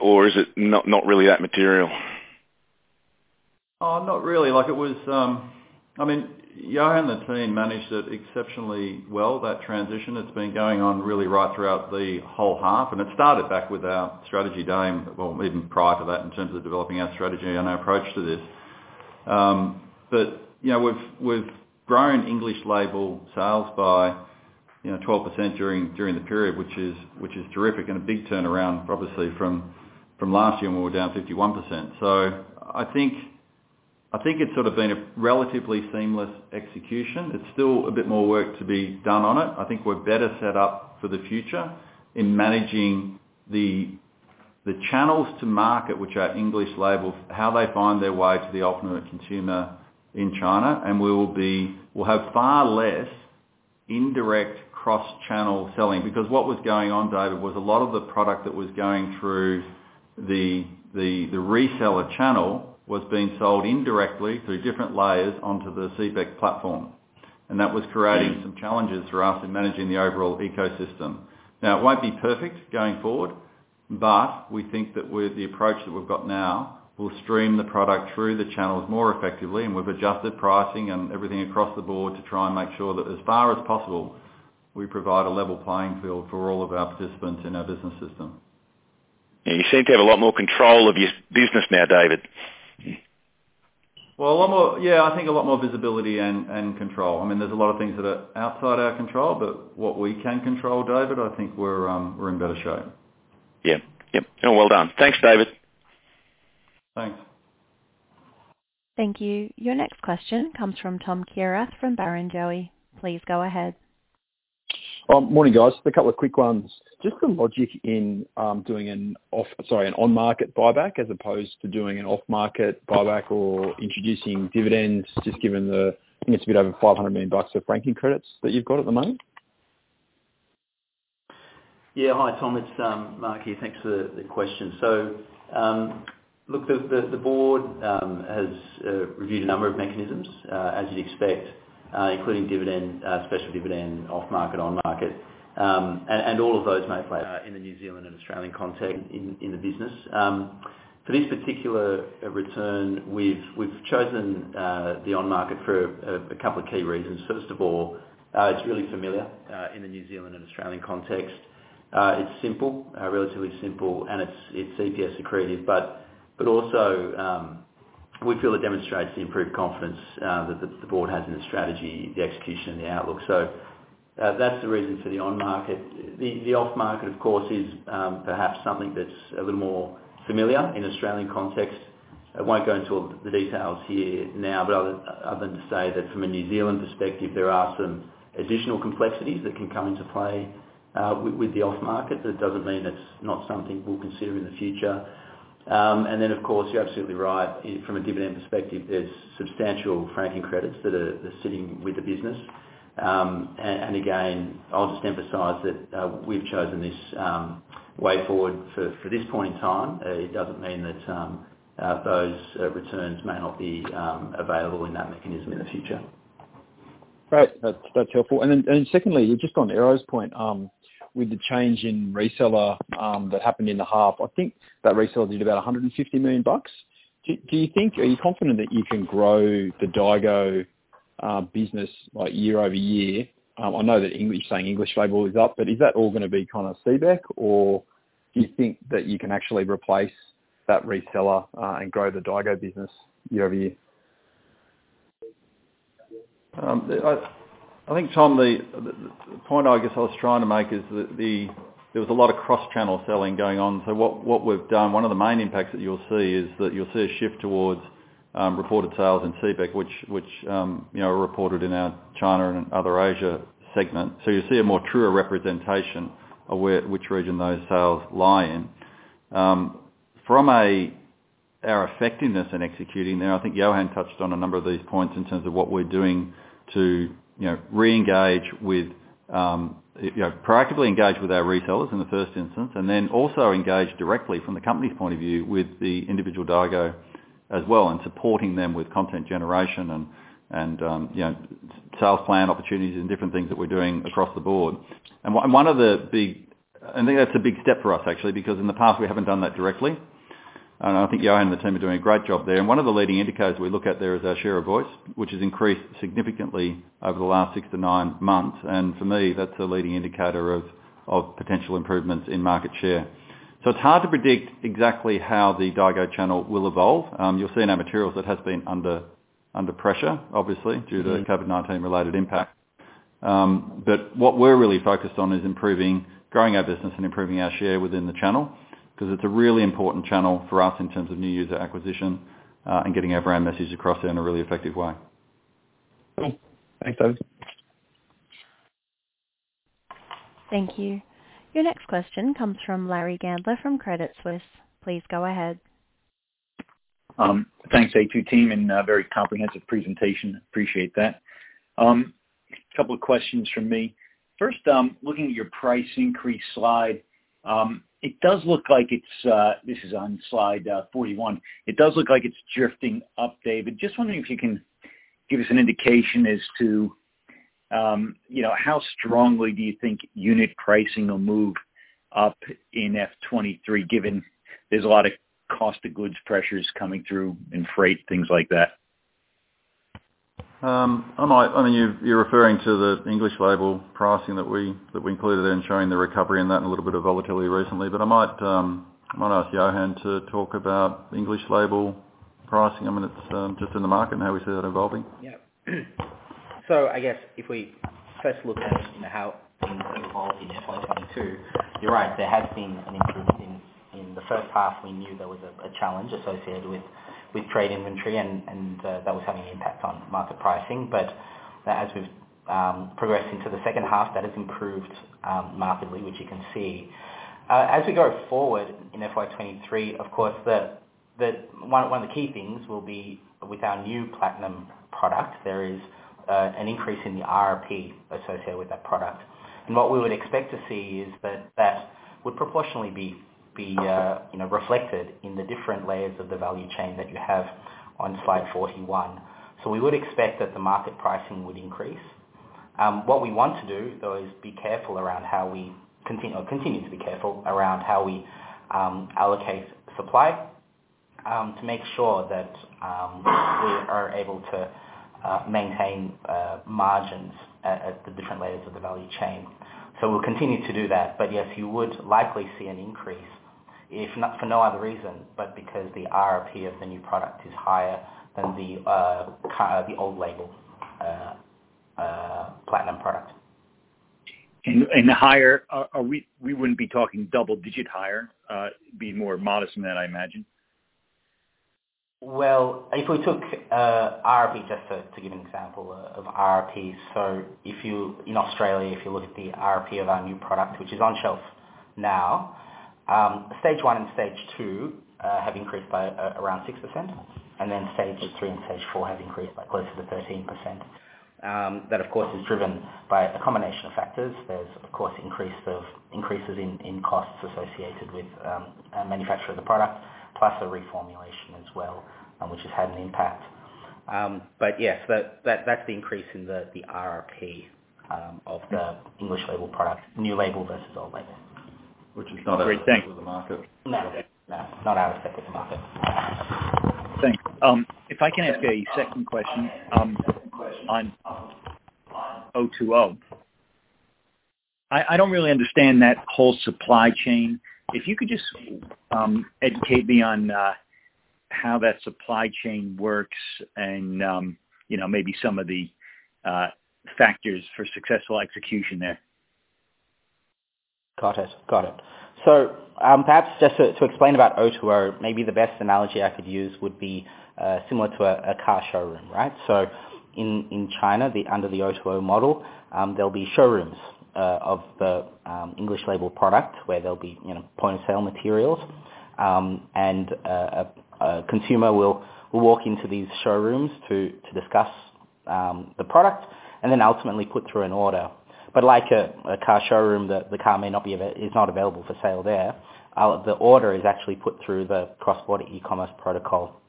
Speaker 9: or is it not really that material?
Speaker 3: Oh, not really. Like it was, I mean, Yohan and the team managed it exceptionally well. That transition that's been going on really right throughout the whole half, and it started back with our strategy day and well, even prior to that in terms of developing our strategy and our approach to this. You know, we've grown English label sales by, you know, 12% during the period, which is terrific and a big turnaround obviously from last year when we were down 51%. I think it's sort of been a relatively seamless execution. It's still a bit more work to be done on it. I think we're better set up for the future in managing the channels to market, which are English labels, how they find their way to the ultimate consumer in China. We'll have far less indirect cross-channel selling. Because what was going on, David, was a lot of the product that was going through the reseller channel was being sold indirectly through different layers onto the CBEC platform. That was creating some challenges for us in managing the overall ecosystem. Now, it won't be perfect going forward, but we think that with the approach that we've got now, we'll stream the product through the channels more effectively, and we've adjusted pricing and everything across the board to try and make sure that as far as possible, we provide a level playing field for all of our participants in our business system. You seem to have a lot more control of your business now, David. Well, a lot more. Yeah, I think a lot more visibility and control. I mean, there's a lot of things that are outside our control, but what we can control, David, I think we're in better shape.
Speaker 9: Yeah. Yep. Well done. Thanks, David.
Speaker 3: Thanks.
Speaker 1: Thank you. Your next question comes from Thomas Kierath from Barrenjoey. Please go ahead.
Speaker 10: Morning, guys. Just a couple of quick ones. Just the logic in doing an on-market buyback as opposed to doing an off-market buyback or introducing dividends, just given the, I think it's a bit over 500 million bucks of franking credits that you've got at the moment.
Speaker 3: Yeah. Hi, Tom, it's Mark here. Thanks for the question. Look, the board has reviewed a number of mechanisms, as you'd expect, including dividend, special dividend, off-market, on-market, and all of those may play out in the New Zealand and Australian context in the business. For this particular return, we've chosen the on-market for a couple of key reasons. First of all, it's really familiar in the New Zealand and Australian context. It's simple, relatively simple, and it's EPS accretive. Also, we feel it demonstrates the improved confidence that the board has in the strategy, the execution, and the outlook. That's the reason for the on-market. The off-market, of course, is perhaps something that's a little more familiar in Australian context. I won't go into all of the details here now, but other than to say that from a New Zealand perspective, there are some additional complexities that can come into play with the off-market. That doesn't mean it's not something we'll consider in the future. Of course, you're absolutely right. From a dividend perspective, there's substantial franking credits that are sitting with the business. Again, I'll just emphasize that we've chosen this way forward for this point in time. It doesn't mean that those returns may not be available in that mechanism in the future.
Speaker 10: Great. That's helpful. Secondly, just on Errington's point, with the change in reseller that happened in the half, I think that reseller did about 150 million bucks. Are you confident that you can grow the Daigou business year-over-year? I know that English labeling is up, but is that all gonna be kind of CBEC or do you think that you can actually replace that reseller and grow the Daigou business year-over-year?
Speaker 3: I think, Tom, the point I guess I was trying to make is that there was a lot of cross-channel selling going on. What we've done, one of the main impacts that you'll see is that you'll see a shift towards reported sales and CBEC, which you know are reported in our China and Other Asia segment. You'll see a more truer representation of which region those sales lie in. From our effectiveness in executing there, and I think Yohan touched on a number of these points in terms of what we're doing to, you know, re-engage with, you know, proactively engage with our retailers in the first instance, and then also engage directly from the company's point of view with the individual Daigou as well, and supporting them with content generation and, you know, sales plan opportunities and different things that we're doing across the board. I think that's a big step for us actually, because in the past we haven't done that directly, and I think Yohan and the team are doing a great job there. One of the leading indicators we look at there is our share of voice, which has increased significantly over the last six to nine months. For me, that's a leading indicator of potential improvements in market share. It's hard to predict exactly how the Daigou channel will evolve. You'll see in our materials it has been under pressure, obviously. Due to COVID-19 related impact. What we're really focused on is improving, growing our business and improving our share within the channel, 'cause it's a really important channel for us in terms of new user acquisition, and getting our brand message across in a really effective way.
Speaker 10: Cool. Thanks, David.
Speaker 1: Thank you. Your next question comes from Larry Gandler from Credit Suisse. Please go ahead.
Speaker 11: Thanks a2 team, and a very comprehensive presentation. Appreciate that. Couple of questions from me. First, looking at your price increase slide, this is on slide 41. It does look like it's drifting up, David. Just wondering if you can give us an indication as to, you know, how strongly do you think unit pricing will move up in F-23, given there's a lot of cost of goods pressures coming through in freight, things like that.
Speaker 3: I mean, you're referring to the English label pricing that we included in showing the recovery in that and a little bit of volatility recently. I might ask Yohan to talk about English label pricing. I mean, it's just in the market and how we see that evolving.
Speaker 6: Yeah. I guess if we first look at, you know, how things have evolved in FY 2022, you're right, there has been an improvement. In the first half, we knew there was a challenge associated with trade inventory and that was having an impact on market pricing. As we've progressed into the second half, that has improved markedly, which you can see. As we go forward in FY 2023, of course, one of the key things will be with our new platinum product, there is an increase in the RRP associated with that product. What we would expect to see is that that would proportionally be, you know, reflected in the different layers of the value chain that you have on slide 41. We would expect that the market pricing would increase. What we want to do, though, is continue to be careful around how we allocate supply, to make sure that we are able to maintain margins at the different layers of the value chain. We'll continue to do that. Yes, you would likely see an increase if not, for no other reason, but because the RRP of the new product is higher than the old label a2 Platinum product.
Speaker 11: We wouldn't be talking double-digit higher? It'd be more modest than that, I imagine.
Speaker 6: If we took RRP, just to give an example of RRP. In Australia, if you look at the RRP of our new product, which is on shelf now, stage one and stage two have increased by around 6%, and then stage three and stage four have increased by closer to 13%. That of course is driven by a combination of factors. There's of course increases in costs associated with manufacturing the product, plus a reformulation as well, which has had an impact. Yes, that's the increase in the RRP of the English label product. New label versus old label.
Speaker 11: Great, thanks.
Speaker 3: Which is not out of step with the market.
Speaker 6: No. No, it's not out of step with the market.
Speaker 11: Thanks. If I can ask a second question on O2O. I don't really understand that whole supply chain. If you could just educate me on how that supply chain works and, you know, maybe some of the factors for successful execution there.
Speaker 6: Got it. Perhaps just to explain about O2O, maybe the best analogy I could use would be similar to a car showroom, right? In China, under the O2O model, there'll be showrooms of the English label product, where there'll be, you know, point-of-sale materials. And a consumer will walk into these showrooms to discuss the product and then ultimately put through an order. Like a car showroom, the car is not available for sale there. The order is actually put through the cross-border e-commerce protocol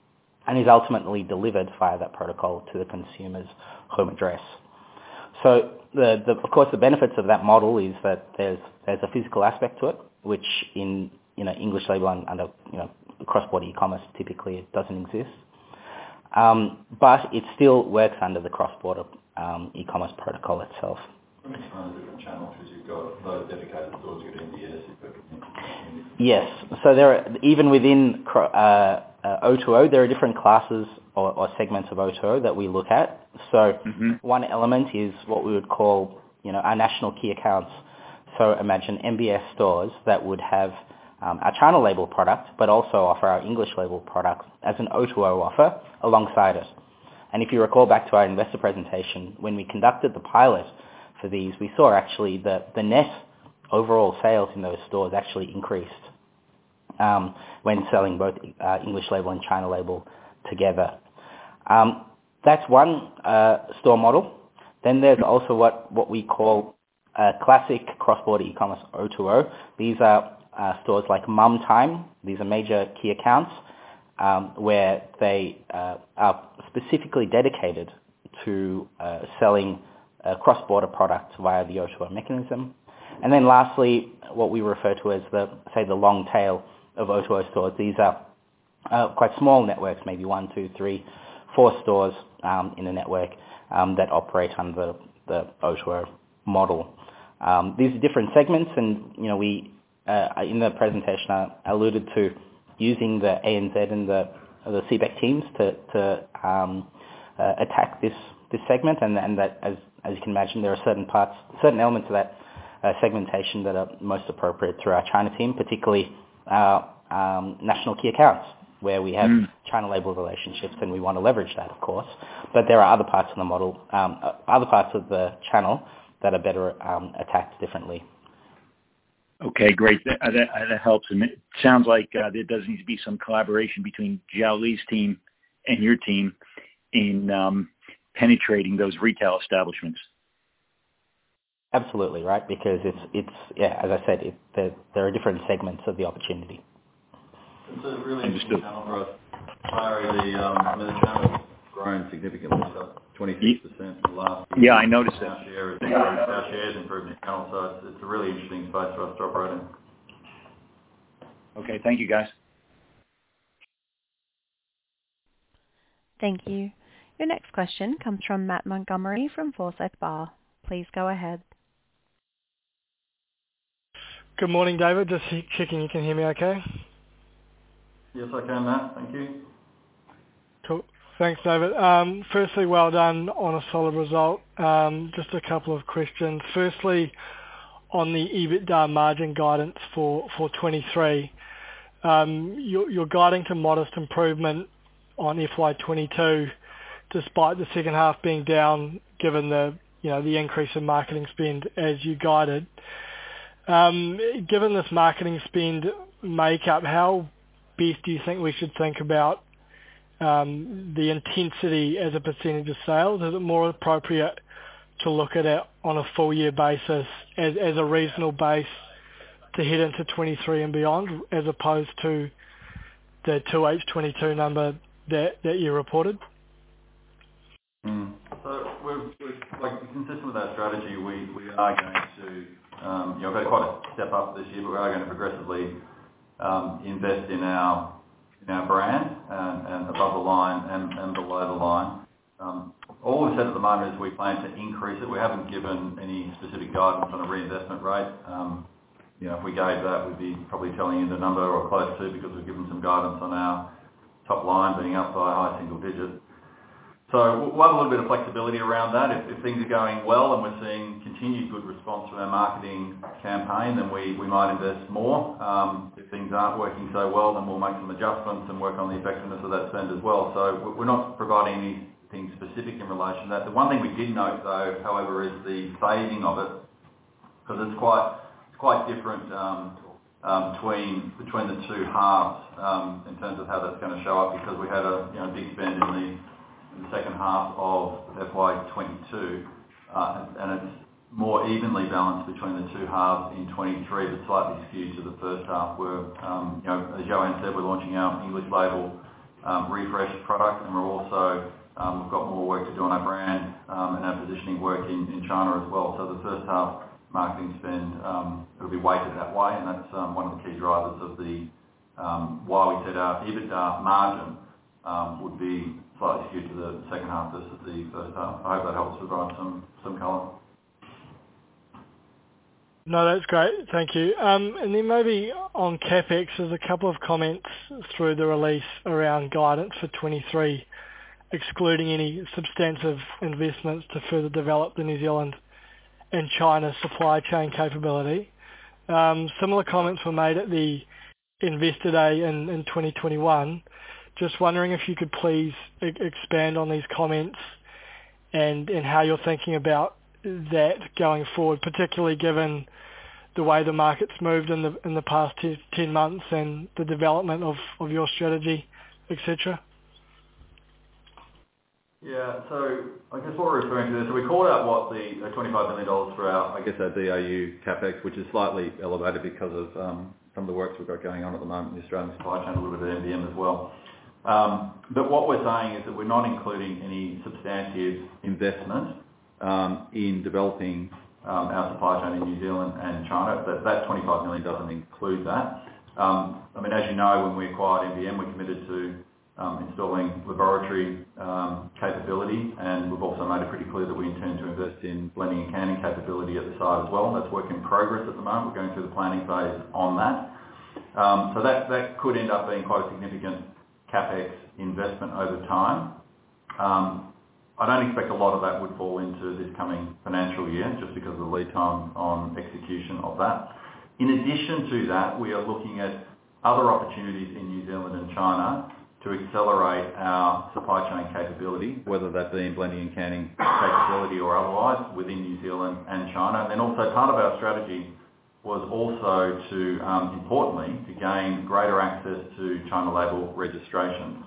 Speaker 6: and is ultimately delivered via that protocol to the consumer's home address. Of course, the benefits of that model is that there's a physical aspect to it, which in you know English label and under you know cross-border e-commerce, typically it doesn't exist. It still works under the cross-border e-commerce protocol itself.
Speaker 3: It's on different channels because you've got those dedicated stores you're in there, so.
Speaker 6: Yes. There are even within O2O, there are different classes or segments of O2O that we look at. One element is what we would call, you know, our national key accounts. Imagine MBS stores that would have our China label product but also offer our English label product as an O2O offer alongside it. If you recall back to our investor presentation, when we conducted the pilot for these, we saw actually the net overall sales in those stores actually increased when selling both English label and China label together. That's one store model. There's also what we call a classic cross-border e-commerce O2O. These are stores like Mum Time. These are major key accounts where they are specifically dedicated to selling cross-border products via the O2O mechanism. Then lastly, what we refer to as the, say, the long tail of O2O stores. These are quite small networks, maybe one, two, three, four stores in a network that operate under the O2O model. These are different segments and, you know, we in the presentation, I alluded to using the ANZ and the CBEC teams to attack this segment. As you can imagine, there are certain parts, certain elements of that segmentation that are most appropriate through our China team, particularly National Key Accounts, where we have China-level relationships, and we wanna leverage that, of course. There are other parts of the model, other parts of the channel that are better attacked differently.
Speaker 11: Okay, great. That helps. It sounds like there does need to be some collaboration between Xiao Li's team and your team in penetrating those retail establishments.
Speaker 6: Absolutely right. Because it's, yeah, as I said, it's there are different segments of the opportunity.
Speaker 11: Understood.
Speaker 3: It's a really interesting channel for us. Sorry, I mean, the channel's grown significantly, so up 23% for the last-
Speaker 11: Yeah, I noticed it.
Speaker 3: Share has improved on the channel side. It's a really interesting space for us to operate in.
Speaker 11: Okay. Thank you, guys.
Speaker 1: Thank you. Your next question comes from Matt Montgomerie from Forsyth Barr. Please go ahead.
Speaker 12: Good morning, David. Just checking you can hear me okay.
Speaker 3: Yes, I can, Matt. Thank you.
Speaker 12: Cool. Thanks, David. Firstly, well done on a solid result. Just a couple of questions. Firstly, on the EBITDA margin guidance for 2023. You're guiding to modest improvement on FY 2022 despite the second half being down, given the increase in marketing spend as you guided. Given this marketing spend makeup, how big do you think we should think about the intensity as a percentage of sales? Is it more appropriate to look at it on a full year basis as a reasonable base to head into 2023 and beyond, as opposed to the 2H 2022 number that you reported?
Speaker 3: We're like, consistent with our strategy, we are going to, you know, we've had quite a step up this year, but we are gonna progressively invest in our brand and above the line and below the line. All we've said at the moment is we plan to increase it. We haven't given any specific guidance on a reinvestment rate. You know, if we gave that, we'd be probably telling you the number or close to, because we've given some guidance on our top line being up by high single digits. We'll have a little bit of flexibility around that. If things are going well and we're seeing continued good response from our marketing campaign, then we might invest more. If things aren't working so well, then we'll make some adjustments and work on the effectiveness of that spend as well. We're not providing anything specific in relation to that. The one thing we did note is the phasing of it, 'cause it's quite different between the two halves in terms of how that's gonna show up, because we had a you know a big spend in the second half of FY 2022. It's more evenly balanced between the two halves in 2023, but slightly skewed to the first half where you know as Yohan said, we're launching our English label refresh product, and we're also we've got more work to do on our brand and our positioning work in China as well. The first half marketing spend, it'll be weighted that way and that's one of the key drivers of the why we said our EBITDA margin would be slightly skewed to the second half versus the first half. I hope that helps provide some color.
Speaker 12: No, that's great. Thank you. Maybe on CapEx, there's a couple of comments through the release around guidance for 2023, excluding any substantive investments to further develop the New Zealand and China supply chain capability. Similar comments were made at the Investor Day in 2021. Just wondering if you could please expand on these comments and how you're thinking about that going forward, particularly given the way the market's moved in the past ten months and the development of your strategy, et cetera.
Speaker 3: I guess what we're referring to there, we called out what the 25 million dollars for our, I guess our DIU CapEx, which is slightly elevated because of some of the works we've got going on at the moment in the Australian supply chain, a little bit of MVM as well. But what we're saying is that we're not including any substantive investment in developing our supply chain in New Zealand and China. That 25 million doesn't include that. I mean, as you know, when we acquired MVM, we committed to installing laboratory capability, and we've also made it pretty clear that we intend to invest in blending and canning capability at the site as well. That's work in progress at the moment. We're going through the planning phase on that. That could end up being quite a significant CapEx investment over time. I don't expect a lot of that would fall into this coming financial year just because of the lead time on execution of that. In addition to that, we are looking at other opportunities in New Zealand and China to accelerate our supply chain capability, whether that be in blending and canning capability or otherwise within New Zealand and China. Also part of our strategy was also importantly to gain greater access to China label registrations.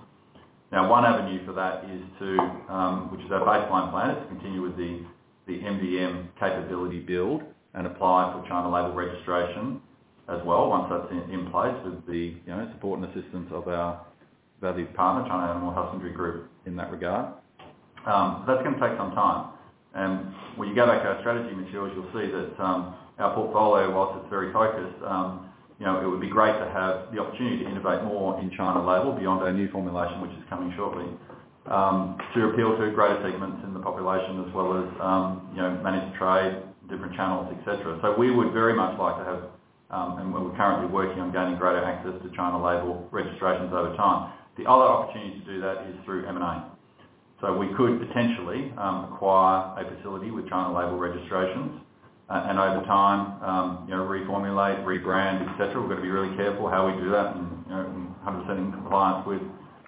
Speaker 3: Now, one avenue for that, which is our baseline plan, is to continue with the MVM capability build and apply for China label registration as well. Once that's in place with the you know support and assistance of our valued partner, China Animal Husbandry Group, in that regard. That's gonna take some time. When you go back to our strategy materials, you'll see that, our portfolio, while it's very focused, you know, it would be great to have the opportunity to innovate more in China label beyond our new formulation, which is coming shortly, to appeal to greater segments in the population as well as, you know, manage the trade, different channels, et cetera. We would very much like to have, and we're currently working on gaining greater access to China label registrations over time. The other opportunity to do that is through M&A. We could potentially, acquire a facility with China label registrations, and over time, you know, reformulate, rebrand, et cetera. We've got to be really careful how we do that and, you know, and 100% in compliance with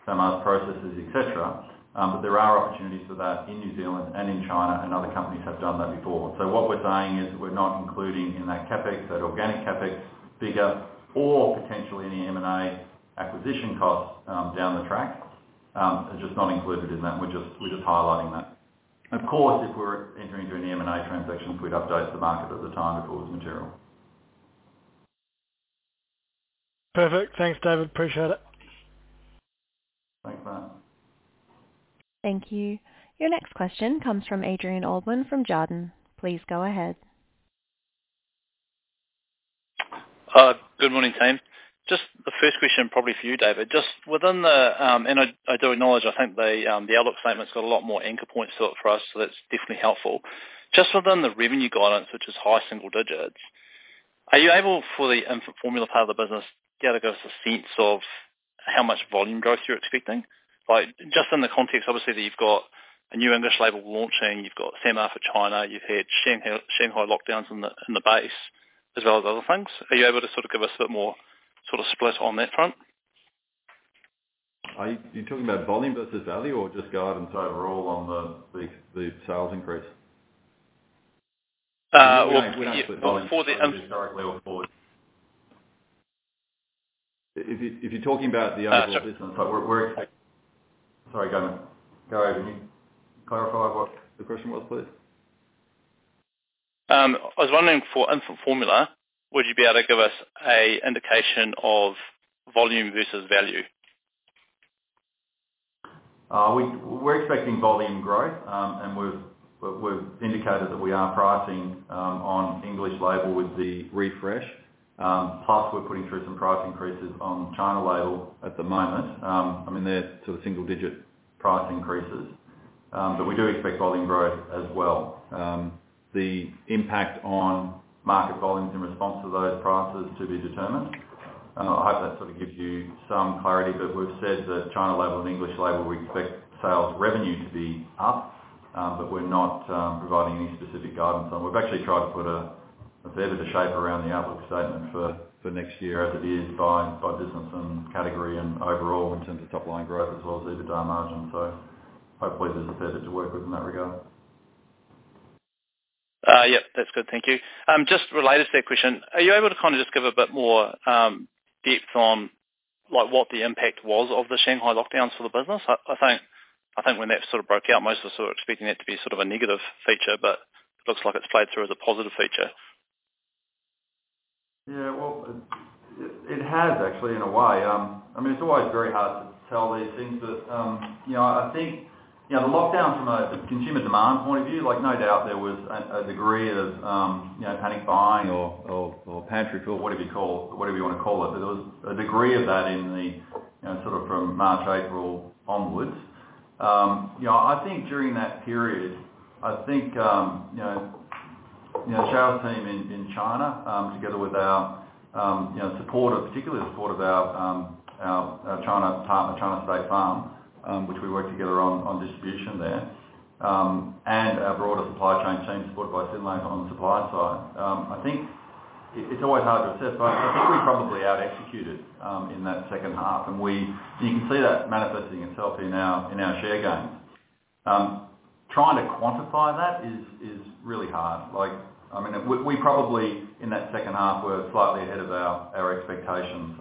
Speaker 3: some of the processes, et cetera. There are opportunities for that in New Zealand and in China, and other companies have done that before. What we're saying is we're not including in that CapEx, that organic CapEx figure, or potentially any M&A acquisition costs, down the track, are just not included in that. We're just highlighting that. Of course, if we're entering into any M&A transactions, we'd update the market at the time because it's material.
Speaker 12: Perfect. Thanks, David. Appreciate it.
Speaker 3: Thanks, Matt Montgomerie.
Speaker 1: Thank you. Your next question comes from Adrian Allbon from Jarden. Please go ahead.
Speaker 13: Good morning, team. Just the first question, probably for you, David. Just within the, and I do acknowledge, I think the outlook statement's got a lot more anchor points to it for us, so that's definitely helpful. Just within the revenue guidance, which is high single digits, are you able for the infant formula part of the business, be able to give us a sense of how much volume growth you're expecting? Like, just in the context obviously, that you've got a new English label launching, you've got SAMR for China, you've had Shanghai lockdowns in the base as well as other things. Are you able to sort of give us a bit more sort of split on that front?
Speaker 3: Are you talking about volume versus value or just guidance overall on the sales increase?
Speaker 13: Well.
Speaker 3: volume historically or forward? If you're talking about the outlook business. Sorry, go on then. Gary, can you clarify what the question was, please?
Speaker 13: I was wondering for infant formula, would you be able to give us an indication of volume versus value?
Speaker 3: We're expecting volume growth, and we've indicated that we are pricing on English label with the refresh, plus we're putting through some price increases on China label at the moment. I mean, they're sort of single-digit price increases. We do expect volume growth as well. The impact on market volumes in response to those prices is to be determined. I hope that sort of gives you some clarity, but we've said that China label and English label, we expect sales revenue to be up, but we're not providing any specific guidance on. We've actually tried to put a fair bit of shape around the outlook statement for next year as it is by business and category and overall in terms of top line growth as well as EBITDA margins. Hopefully there's a fair bit to work with in that regard.
Speaker 13: Yep. That's good, thank you. Just related to that question, are you able to kinda just give a bit more depth on, like, what the impact was of the Shanghai lockdowns for the business? I think when that sort of broke out, most of us were sort of expecting that to be sort of a negative feature, but it looks like it's played through as a positive feature.
Speaker 3: Yeah, well, it has actually, in a way. I mean, it's always very hard to tell these things, but you know, I think the lockdowns from a consumer demand point of view, like, no doubt there was a degree of panic buying or pantry fill, whatever you wanna call it. There was a degree of that and then, you know, sort of from March, April onwards. You know, I think during that period, I think you know, our team in China together with our support, particularly the support of our China partner, China State Farm, which we work together on distribution there, and our broader supply chain team supported by Synlait on the supply side. I think it's always hard to assess, but I think we probably out executed in that second half. You can see that manifesting itself in our share gains. Trying to quantify that is really hard. Like, I mean, we probably in that second half were slightly ahead of our expectations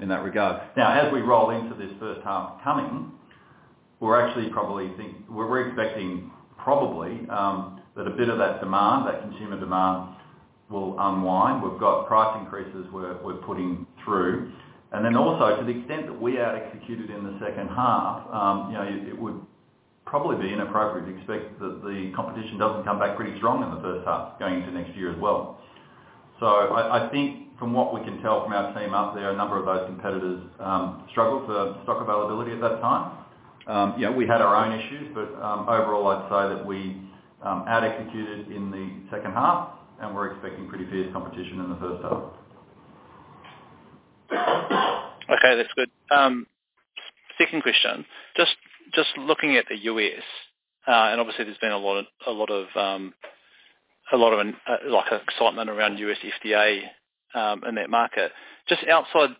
Speaker 3: in that regard. Now as we roll into this first half coming, we're expecting probably that a bit of that demand, that consumer demand will unwind. We've got price increases we're putting through. To the extent that we out executed in the second half, you know, it would probably be inappropriate to expect that the competition doesn't come back pretty strong in the first half going into next year as well. I think from what we can tell from our team up there, a number of those competitors struggled for stock availability at that time. Yeah, we had our own issues, but overall, I'd say that we out executed in the second half and we're expecting pretty fierce competition in the first half.
Speaker 13: Okay, that's good. Second question. Just looking at the U.S., and obviously there's been a lot of excitement around U.S. FDA in that market. Just upside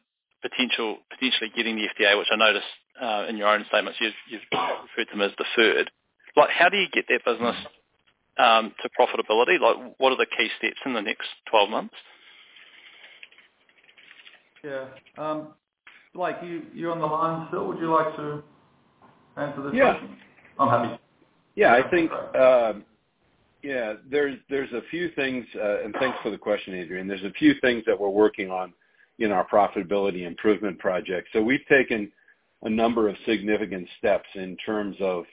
Speaker 13: potential, potentially getting the FDA, which I noticed in your own statements, you've referred to them as deferred. Like, how do you get that business to profitability? Like, what are the key steps in the next twelve months?
Speaker 3: Yeah. Blake, you're on the line still. Would you like to answer this question?
Speaker 8: Yeah.
Speaker 3: I'm happy.
Speaker 8: I think there's a few things, and thanks for the question, Adrian Allbon. There's a few things that we're working on in our profitability improvement project. We've taken a number of significant steps in terms of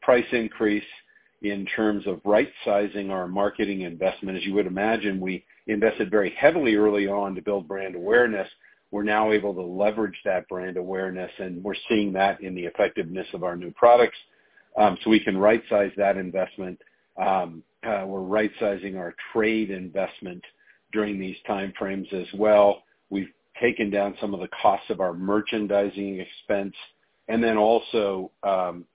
Speaker 8: price increase, in terms of right sizing our marketing investment. As you would imagine, we invested very heavily early on to build brand awareness. We're now able to leverage that brand awareness, and we're seeing that in the effectiveness of our new products, so we can right size that investment. We're right sizing our trade investment during these time frames as well. We've taken down some of the costs of our merchandising expense. Then also,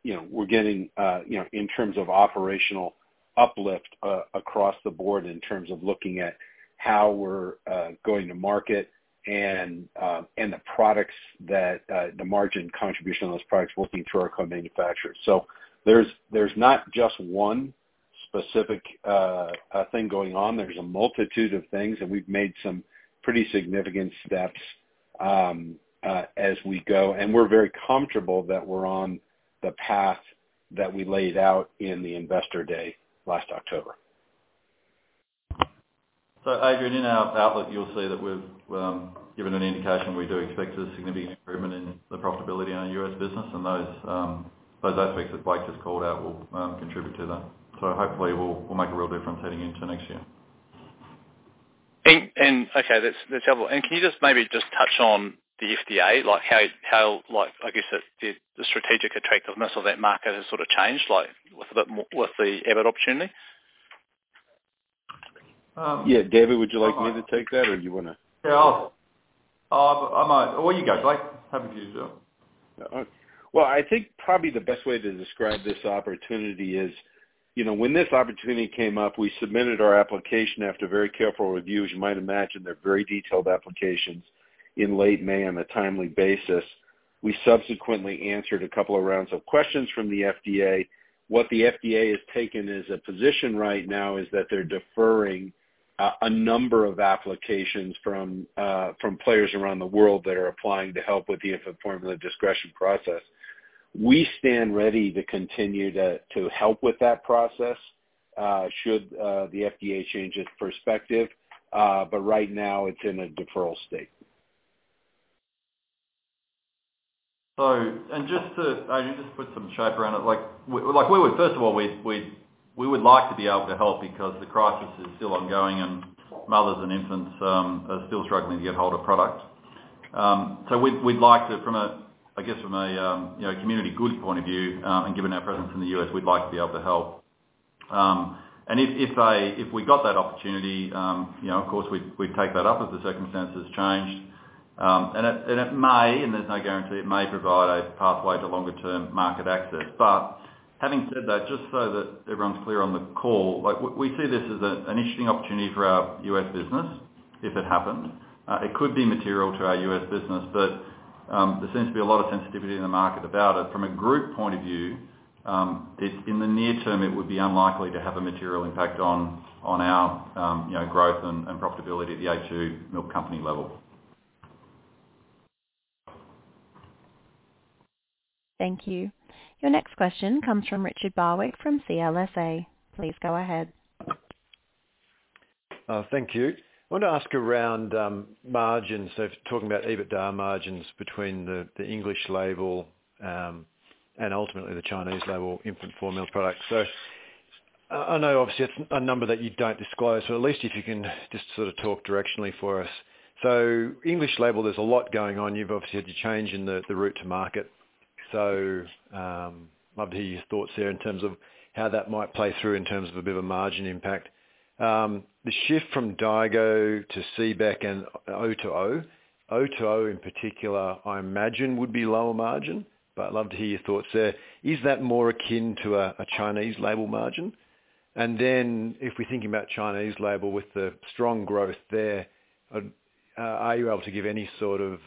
Speaker 8: you know, we're getting, you know, in terms of operational uplift across the board in terms of looking at how we're going to market and the products that the margin contribution on those products working through our co-manufacturers. There's not just one specific thing going on. There's a multitude of things and we've made some pretty significant steps as we go. We're very comfortable that we're on the path that we laid out in the Investor Day last October.
Speaker 3: Adrian, in our outlook you'll see that we've given an indication we do expect a significant improvement in the profitability in our U.S. business and those aspects that Blake just called out will contribute to that. Hopefully we'll make a real difference heading into next year.
Speaker 13: Okay, that's helpful. Can you just maybe just touch on the FDA, like how, like, I guess the strategic attractiveness of that market has sort of changed, like with the Abbott opportunity?
Speaker 3: Yeah, David, would you like me to take that or you wanna?
Speaker 8: You go, Blake. Happy to do so.
Speaker 3: All right. Well, I think probably the best way to describe this opportunity is, you know, when this opportunity came up, we submitted our application after very careful review. As you might imagine, they're very detailed applications in late May on a timely basis.
Speaker 8: We subsequently answered a couple of rounds of questions from the FDA. What the FDA has taken as a position right now is that they're deferring a number of applications from players around the world that are applying to help with the infant formula shortage process. We stand ready to continue to help with that process, should the FDA change its perspective. Right now, it's in a deferral state.
Speaker 3: Just to put some shape around it. Like, we would first of all like to be able to help because the crisis is still ongoing and mothers and infants are still struggling to get hold of product. We'd like to from a, I guess, from a you know, community good point of view, and given our presence in the U.S., we'd like to be able to help. If we got that opportunity, you know, of course, we'd take that up if the circumstances changed. It may, and there's no guarantee it may provide a pathway to longer term market access. Having said that, just so that everyone's clear on the call, we see this as an interesting opportunity for our US business if it happens. It could be material to our U.S business, but there seems to be a lot of sensitivity in the market about it. From a group point of view, in the near term it would be unlikely to have a material impact on our, you know, growth and profitability at The a2 Milk Company level.
Speaker 1: Thank you. Your next question comes from Richard Barwick from CLSA. Please go ahead.
Speaker 14: Thank you. I wanted to ask about margins. Talking about EBITDA margins between the English label and ultimately the Chinese label infant formula products. I know obviously that's a number that you don't disclose, but at least if you can just sort of talk directionally for us. English label, there's a lot going on. You've obviously had to change in the route to market. Love to hear your thoughts there in terms of how that might play through in terms of a bit of a margin impact. The shift from Daigou to CBEC and O2O. O2O, in particular, I imagine would be lower margin, but love to hear your thoughts there. Is that more akin to a Chinese label margin? If we're thinking about Chinese label with the strong growth there, are you able to give any sort of,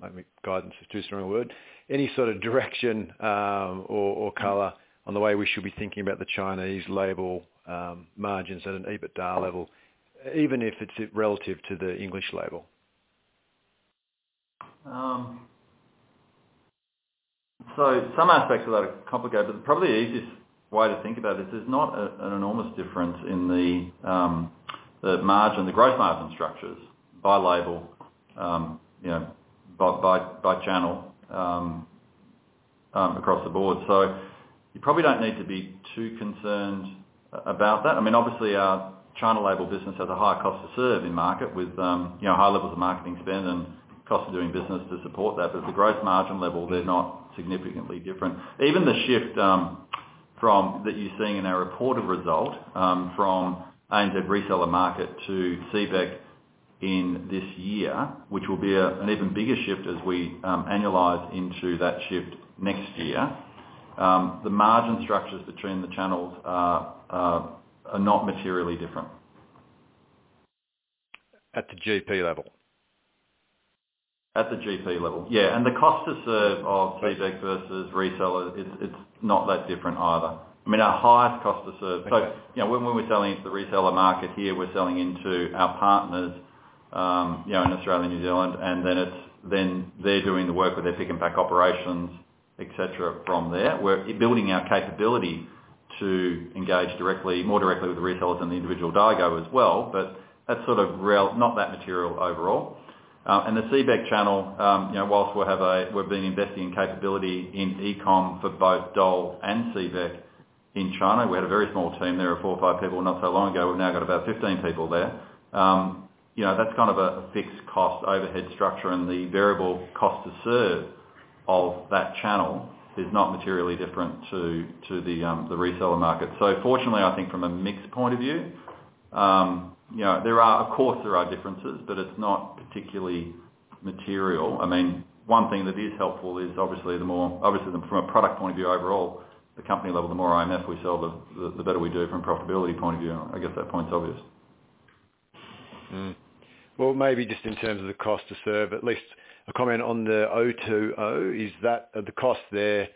Speaker 14: maybe guidance is too strong a word, any sort of direction, or color on the way we should be thinking about the Chinese label, margins at an EBITDA level, even if it's relative to the English label?
Speaker 3: Some aspects of that are complicated, but probably the easiest way to think about this, there's not an enormous difference in the margin, the growth margin structures by label, you know, by channel, across the board. You probably don't need to be too concerned about that. I mean, obviously our China label business has a higher cost to serve in market with, you know, high levels of marketing spend and cost of doing business to support that. But at the growth margin level, they're not significantly different. Even the shift that you're seeing in our reported result, from ANZ reseller market to CBEC in this year, which will be an even bigger shift as we annualize into that shift next year. The margin structures between the channels are not materially different.
Speaker 14: At the GP level?
Speaker 3: At the GP level, yeah. The cost to serve of CBEC versus reseller, it's not that different either. I mean, our highest cost to serve. You know, when we were selling into the reseller market here, we're selling into our partners, you know, in Australia and New Zealand, and then they're doing the work with their pick and pack operations, et cetera, from there. We're building our capability to engage directly, more directly with the resellers and the individual Daigou as well, but that's sort of not that material overall. The CBEC channel, you know. We've been investing in capability in e-com for both Daigou and CBEC in China. We had a very small team there of four or five people not so long ago. We've now got about 15 people there. You know, that's kind of a fixed cost overhead structure, and the variable cost to serve of that channel is not materially different to the reseller market. Fortunately, I think from a mix point of view, you know, of course, there are differences, but it's not particularly material. I mean, one thing that is helpful is obviously from a product point of view overall, the company level, the more IMF we sell, the better we do from a profitability point of view. I guess that point's obvious.
Speaker 14: Well, maybe just in terms of the cost to serve, at least a comment on the O2O. Is that the cost there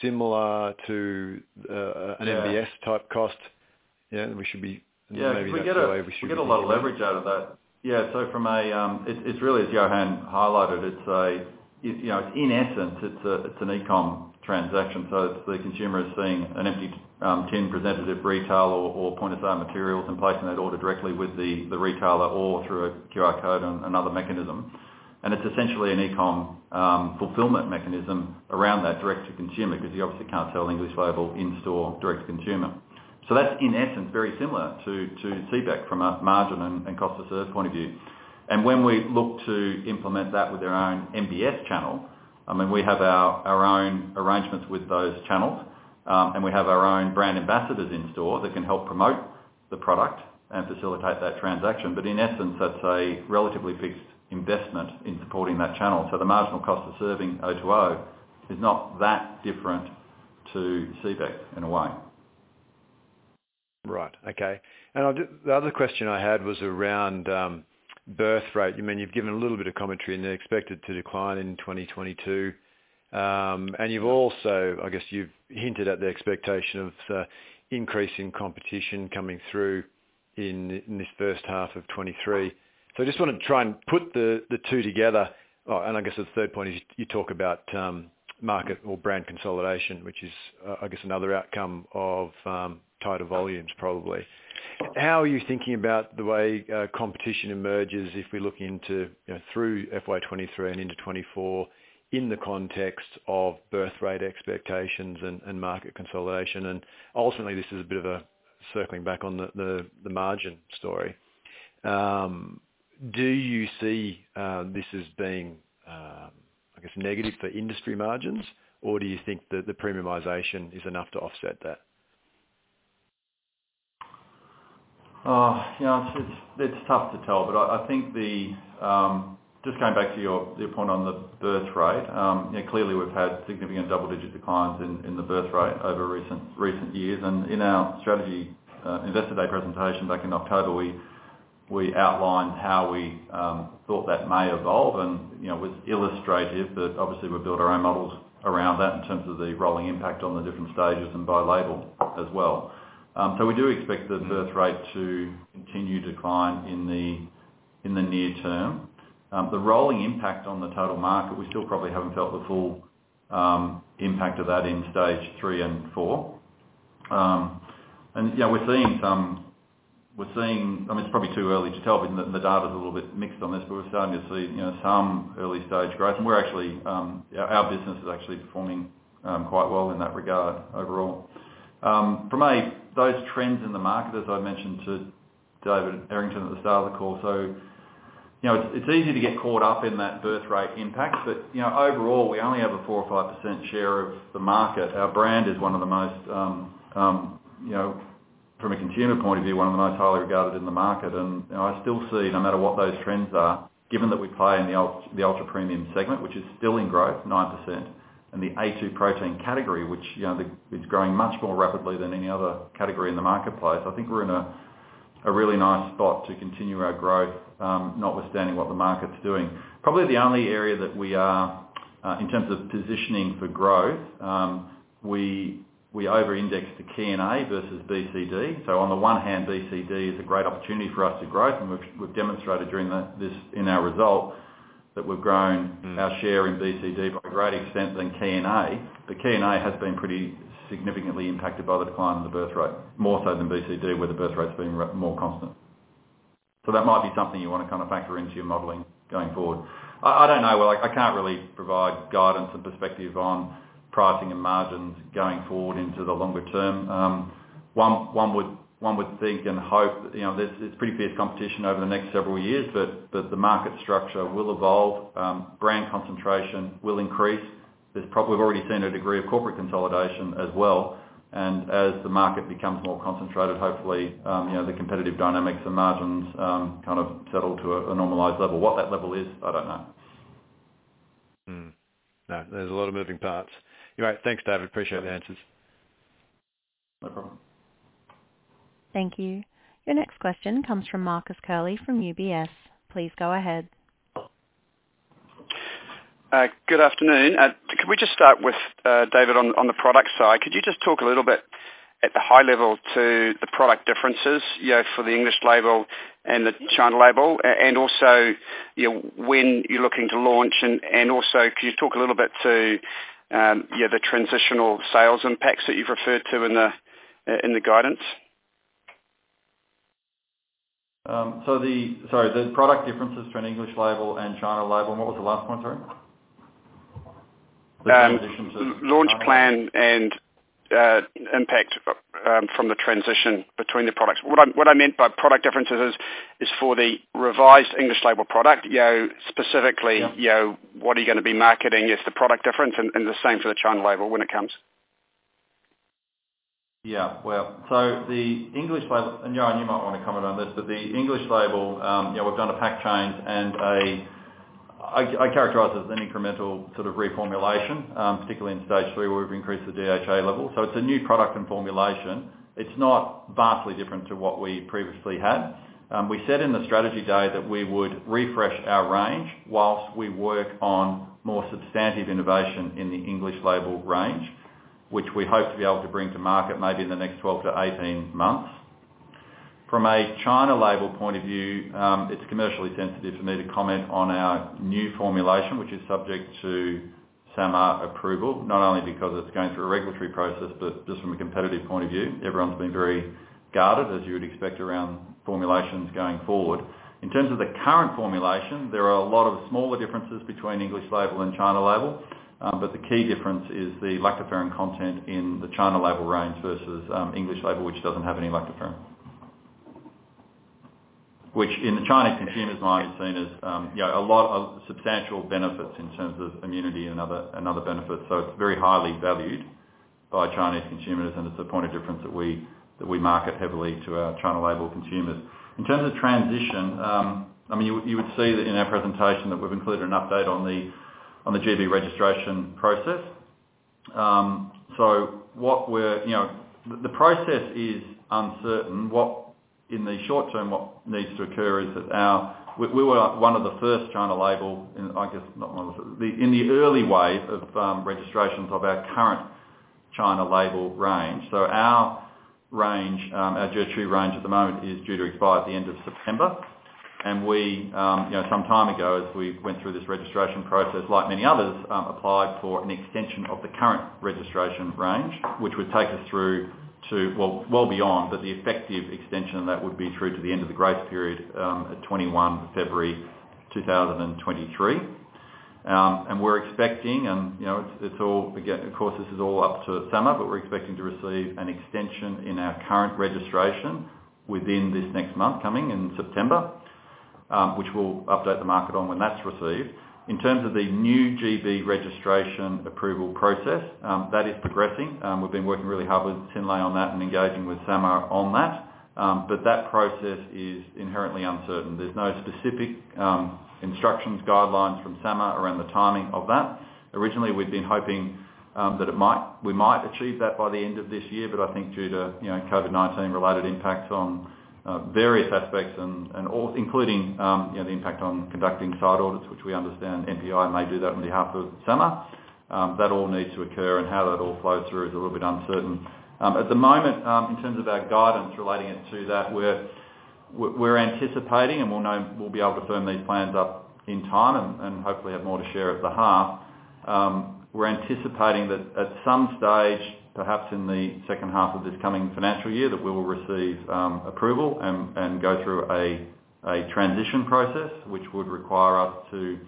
Speaker 14: similar to an MBS?
Speaker 3: Yeah
Speaker 14: Type cost? You know, we should be-
Speaker 3: Yeah. If we get
Speaker 14: Maybe that's the way we should be looking at it.
Speaker 3: We get a lot of leverage out of that. Yeah, from a. It's really as Yohan highlighted, you know, in essence, it's an e-com transaction, so the consumer is seeing an empty tin presented at retail or point of sale materials and placing that order directly with the retailer or through a QR code and another mechanism. It's essentially an e-com fulfillment mechanism around that direct to consumer, because you obviously can't sell English label in-store direct to consumer. That's, in essence, very similar to CBEC from a margin and cost to serve point of view. When we look to implement that with our own MBS channel, I mean, we have our own arrangements with those channels, and we have our own brand ambassadors in store that can help promote the product and facilitate that transaction. In essence, that's a relatively fixed investment in supporting that channel. The marginal cost of serving O2O is not that different to CBEC in a way.
Speaker 14: The other question I had was around birth rate. I mean, you've given a little bit of commentary, and they're expected to decline in 2022. You've also hinted at the expectation of increase in competition coming through in this first half of 2023. I just want to try and put the two together. The third point is you talk about market or brand consolidation, which is another outcome of tighter volumes, probably. How are you thinking about the way competition emerges if we look into, you know, through FY 2023 and into 2024 in the context of birth rate expectations and market consolidation? Ultimately, this is a bit of a circling back on the margin story. Do you see this as being, I guess, negative for industry margins? Or do you think that the premiumization is enough to offset that?
Speaker 3: You know, it's tough to tell, but I think just going back to your point on the birthrate, you know, clearly we've had significant double-digit declines in the birthrate over recent years. In our strategy, Investor Day presentation back in October, we outlined how we thought that may evolve and, you know, was illustrative, but obviously we build our own models around that in terms of the rolling impact on the different stages and by label as well. So we do expect the birthrate to continue to decline in the near term. The rolling impact on the total market, we still probably haven't felt the full impact of that in stage three and four. Yeah, we're seeing some. I mean, it's probably too early to tell, but the data's a little bit mixed on this, but we're starting to see, you know, some early stage growth. Our business is actually performing quite well in that regard overall. For me, those trends in the market, as I mentioned to David Errington at the start of the call. You know, it's easy to get caught up in that birthrate impact, but, you know, overall, we only have a 4% or 5% share of the market. Our brand is one of the most you know from a consumer point of view, one of the most highly regarded in the market. You know, I still see, no matter what those trends are, given that we play in the ultra premium segment, which is still in growth, 9%, and the A2 protein category, which, you know, it's growing much more rapidly than any other category in the marketplace, I think we're in a really nice spot to continue our growth, notwithstanding what the market's doing. Probably the only area that we are in terms of positioning for growth, we over-index to K and A versus BCD. On the one hand, BCD is a great opportunity for us to grow, and we've demonstrated during this, in our result that we've grown our share in BCD by a greater extent than K and A. K&A has been pretty significantly impacted by the decline in the birthrate, more so than B, C, D, where the birthrate's been more constant. That might be something you wanna kinda factor into your modeling going forward. I don't know, like I can't really provide guidance and perspective on pricing and margins going forward into the longer term. One would think and hope, you know, there's pretty fierce competition over the next several years, but the market structure will evolve. Brand concentration will increase. We've already seen a degree of corporate consolidation as well, and as the market becomes more concentrated, hopefully, you know, the competitive dynamics and margins kind of settle to a normalized level. What that level is, I don't know.
Speaker 14: No, there's a lot of moving parts. You're right. Thanks, David. Appreciate the answers.
Speaker 3: No problem.
Speaker 1: Thank you. Your next question comes from Marcus Curley from UBS. Please go ahead.
Speaker 15: Good afternoon. Could we just start with David, on the product side? Could you just talk a little bit at the high level to the product differences, you know, for the English label and the China label, and also, you know, when you're looking to launch, and also, could you talk a little bit to, yeah, the transitional sales impacts that you've referred to in the guidance?
Speaker 3: Sorry, the product differences to an English label and China label, and what was the last one, sorry?
Speaker 15: Launch plan and impact from the transition between the products. What I meant by product differences is for the revised English label product, you know, specifically.
Speaker 3: Yeah.
Speaker 15: You know, what are you gonna be marketing? Is the product different? The same for the China label when it comes.
Speaker 3: Yeah. Well, the English label. You know, and you might wanna comment on this, but the English label, we've done a pack change and I characterize it as an incremental sort of reformulation, particularly in stage three, where we've increased the DHA level. It's a new product and formulation. It's not vastly different to what we previously had. We said in the strategy day that we would refresh our range while we work on more substantive innovation in the English label range, which we hope to be able to bring to market maybe in the next 12-18 months. From a China label point of view, it's commercially sensitive for me to comment on our new formulation, which is subject to SAMR approval, not only because it's going through a regulatory process, but just from a competitive point of view. Everyone's been very guarded, as you would expect, around formulations going forward. In terms of the current formulation, there are a lot of smaller differences between English label and China label, but the key difference is the Lactoferrin content in the China label range versus English label, which doesn't have any Lactoferrin. Which in the Chinese consumers' mind is seen as, you know, a lot of substantial benefits in terms of immunity and other benefits. It's very highly valued by Chinese consumers, and it's a point of difference that we market heavily to our China label consumers. In terms of transition, I mean, you would see that in our presentation that we've included an update on the GB registration process. The process is uncertain. In the short term, what needs to occur is that we were one of the first China label in the early wave of registrations of our current China label range. Our range, our dairy tree range at the moment is due to expire at the end of September. We, you know, some time ago as we went through this registration process, like many others, applied for an extension of the current registration range, which would take us through to well beyond. The effective extension of that would be through to the end of the grace period at 21 February 2023. We're expecting, you know, it's all, again, of course, this is all up to SAMR, but we're expecting to receive an extension in our current registration within this next month coming in September, which we'll update the market on when that's received. In terms of the new GB registration approval process, that is progressing. We've been working really hard with Synlait on that and engaging with SAMR on that. But that process is inherently uncertain. There's no specific instructions, guidelines from SAMR around the timing of that. Originally, we'd been hoping that we might achieve that by the end of this year, but I think due to you know, COVID-19 related impacts on various aspects and all, including you know, the impact on conducting site audits, which we understand NPI may do that on behalf of SAMR, that all needs to occur, and how that all flows through is a little bit uncertain. At the moment, in terms of our guidance relating it to that, we're anticipating and we'll know, we'll be able to firm these plans up in time and hopefully have more to share at the half. We're anticipating that at some stage, perhaps in the second half of this coming financial year, that we will receive approval and go through a transition process, which would require us to,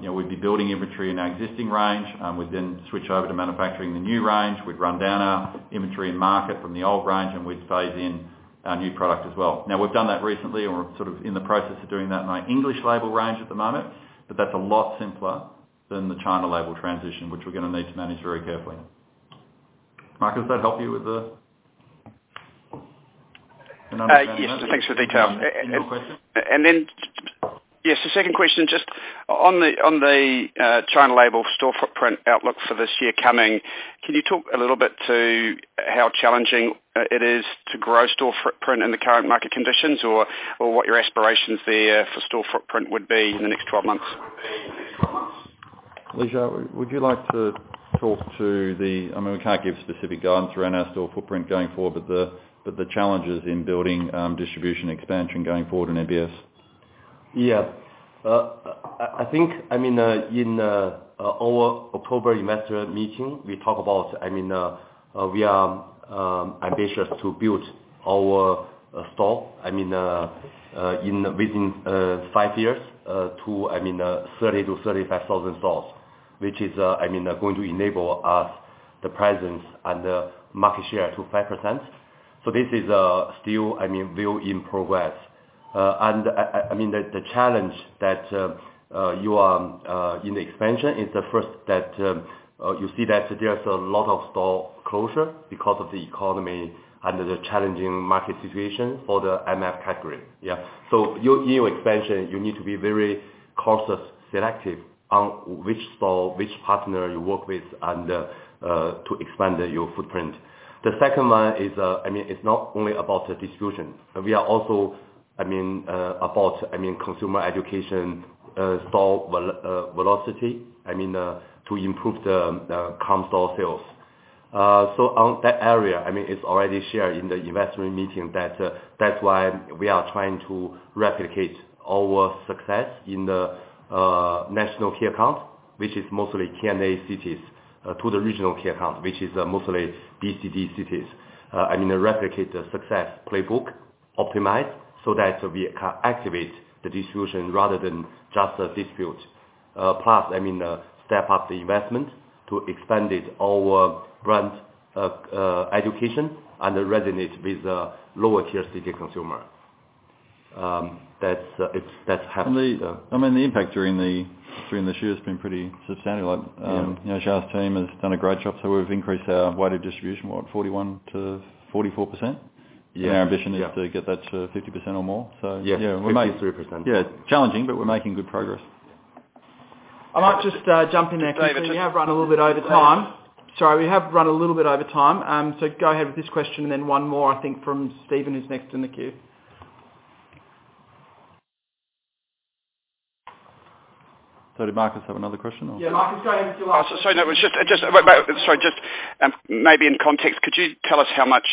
Speaker 3: you know, we'd be building inventory in our existing range. We'd then switch over to manufacturing the new range. We'd run down our inventory from the old range, and we'd phase in our new product as well. Now, we've done that recently, and we're sort of in the process of doing that in our English label range at the moment, but that's a lot simpler than the China label transition, which we're gonna need to manage very carefully. Marcus, does that help you with the
Speaker 15: Yes, thanks for the detail.
Speaker 3: Any more questions?
Speaker 15: Yes, the second question, just on the China retail store footprint outlook for this year coming, can you talk a little bit to how challenging it is to grow store footprint in the current market conditions or what your aspirations there for store footprint would be in the next 12 months?
Speaker 3: Xiao Li, I mean, we can't give specific guidance around our store footprint going forward, but the challenges in building distribution expansion going forward in MBS.
Speaker 5: Yeah. I think, I mean, in our October investor meeting, we talk about, I mean, we are ambitious to build our store. I mean, within five years, to 30-35 thousand stores, which is going to enable us the presence and the market share to 5%. This is still, I mean, well in progress. I mean, the challenge that you are in the expansion is the first that you see that there's a lot of store closure because of the economy under the challenging market situation for the IMF category. Yeah. Your new expansion, you need to be very cautious, selective on which store, which partner you work with and to expand your footprint. The second one is, I mean, it's not only about the distribution. We are also, I mean, about, I mean, consumer education, store velocity. I mean, to improve the in-store sales. On that area, I mean, it's already shared in the investor meeting that's why we are trying to replicate our success in the national key account, which is mostly K&A cities, to the regional key account, which is mostly BCD cities. I mean, replicate the success playbook, optimize so that we can activate the distribution rather than just a display. Plus, I mean, step up the investment to expand our brand education and resonate with the lower tier city consumer. That's half-
Speaker 3: I mean, the impact during this year has been pretty substantial. You know, Xiao Li's team has done a great job, so we've increased our weighted distribution, what, 41%-44%?
Speaker 5: Yeah.
Speaker 3: Our ambition is to get that to 50% or more. Yeah.
Speaker 5: Yes, 53%.
Speaker 3: Yeah, challenging, but we're making good progress.
Speaker 15: I might just jump in there. Sorry, we have run a little bit over time. Go ahead with this question and then one more, I think from Stephen, who's next in the queue.
Speaker 3: Did Marcus have another question or?
Speaker 15: Yeah, Marcus, go ahead with your last one. Sorry, that was just maybe in context. Could you tell us how much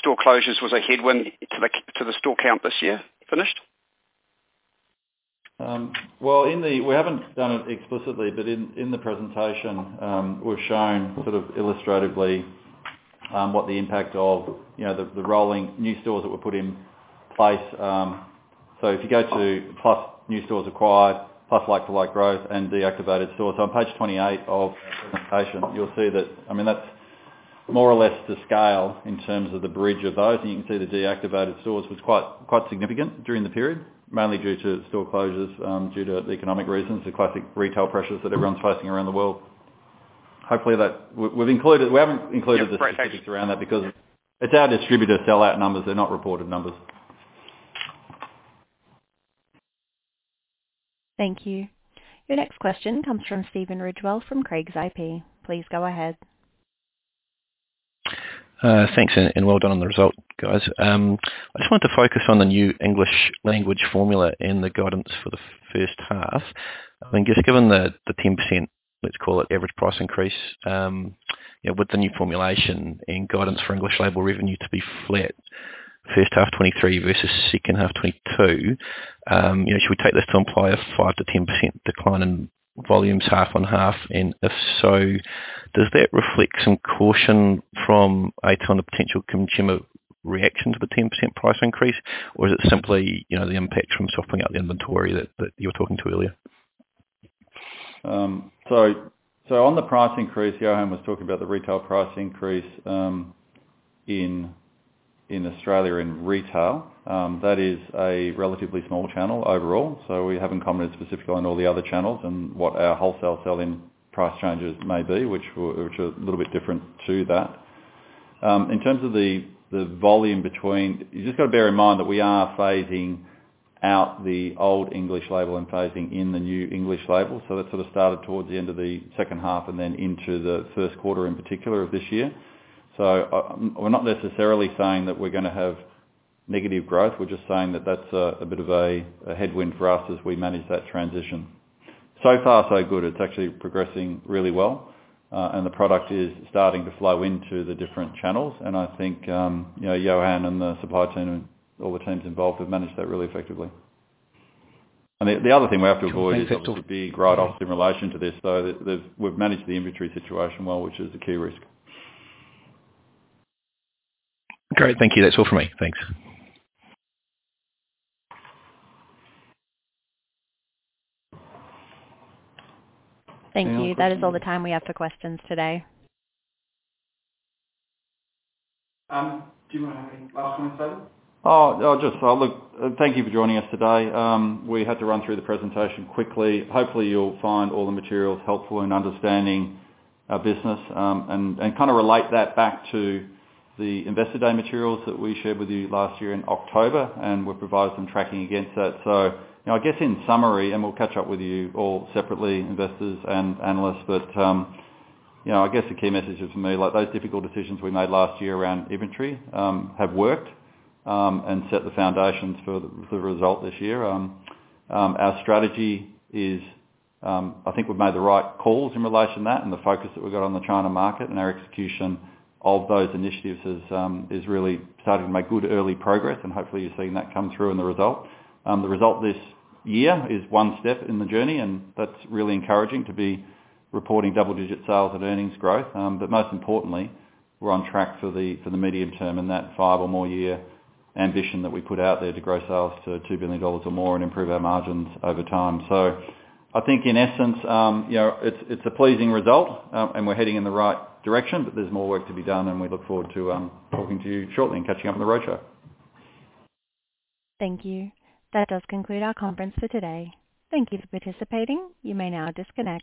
Speaker 15: store closures was a headwind to the store count this year finished?
Speaker 3: Well, we haven't done it explicitly, but in the presentation, we've shown sort of illustratively what the impact of, you know, the rolling new stores that were put in place. If you go to plus new stores acquired, plus like-for-like growth and deactivated stores. On page 28 of the presentation, you'll see that. I mean, that's more or less to scale in terms of the bridge of those. You can see the deactivated stores was quite significant during the period, mainly due to store closures due to the economic reasons, the classic retail pressures that everyone's facing around the world. Hopefully, that. We haven't included the statistics around that because it's our distributor sellout numbers. They're not reported numbers.
Speaker 1: Thank you. Your next question comes from Stephen Ridgewell from Craigs Investment Partners. Please go ahead.
Speaker 16: Thanks, and well done on the result, guys. I just wanted to focus on the new English label formula and the guidance for the first half. I mean, just given the 10%, let's call it, average price increase, you know, with the new formulation and guidance for English label revenue to be flat first half 2023 versus second half 2022, you know, should we take this to imply a 5%-10% decline in volumes half on half? If so, does that reflect some caution from A2 on the potential consumer reaction to the 10% price increase? Or is it simply, you know, the impact from softening up the inventory that you were talking to earlier?
Speaker 3: On the price increase, Yohan was talking about the retail price increase in Australia in retail. That is a relatively small channel overall, so we haven't commented specifically on all the other channels and what our wholesale sell-in price changes may be, which are a little bit different to that. In terms of the volume, you've just got to bear in mind that we are phasing out the old English label and phasing in the new English label. That sort of started towards the end of the second half and then into the first quarter in particular of this year. We're not necessarily saying that we're gonna have negative growth. We're just saying that that's a bit of a headwind for us as we manage that transition. So far, so good. It's actually progressing really well, and the product is starting to flow into the different channels. I think, you know, Yohan and the supply team and all the teams involved have managed that really effectively. The other thing we have to avoid is the big write-offs in relation to this, so we've managed the inventory situation well, which is a key risk.
Speaker 16: Great. Thank you. That's all for me. Thanks.
Speaker 1: Thank you. That is all the time we have for questions today.
Speaker 8: Do you wanna make any last comments, David?
Speaker 3: Thank you for joining us today. We had to run through the presentation quickly. Hopefully, you'll find all the materials helpful in understanding our business, and kinda relate that back to the investor day materials that we shared with you last year in October, and we've provided some tracking against that. You know, I guess in summary, we'll catch up with you all separately, investors and analysts, but you know, I guess the key message is for me, like those difficult decisions we made last year around inventory have worked, and set the foundations for the result this year. Our strategy is, I think we've made the right calls in relation to that and the focus that we've got on the China market, and our execution of those initiatives is really starting to make good early progress, and hopefully you're seeing that come through in the result. The result this year is one step in the journey, and that's really encouraging to be reporting double-digit sales and earnings growth. Most importantly, we're on track for the medium term and that five or more year ambition that we put out there to grow sales to 2 billion dollars or more and improve our margins over time. I think in essence, you know, it's a pleasing result, and we're heading in the right direction, but there's more work to be done, and we look forward to talking to you shortly and catching up on the roadshow.
Speaker 1: Thank you. That does conclude our conference for today. Thank you for participating. You may now disconnect.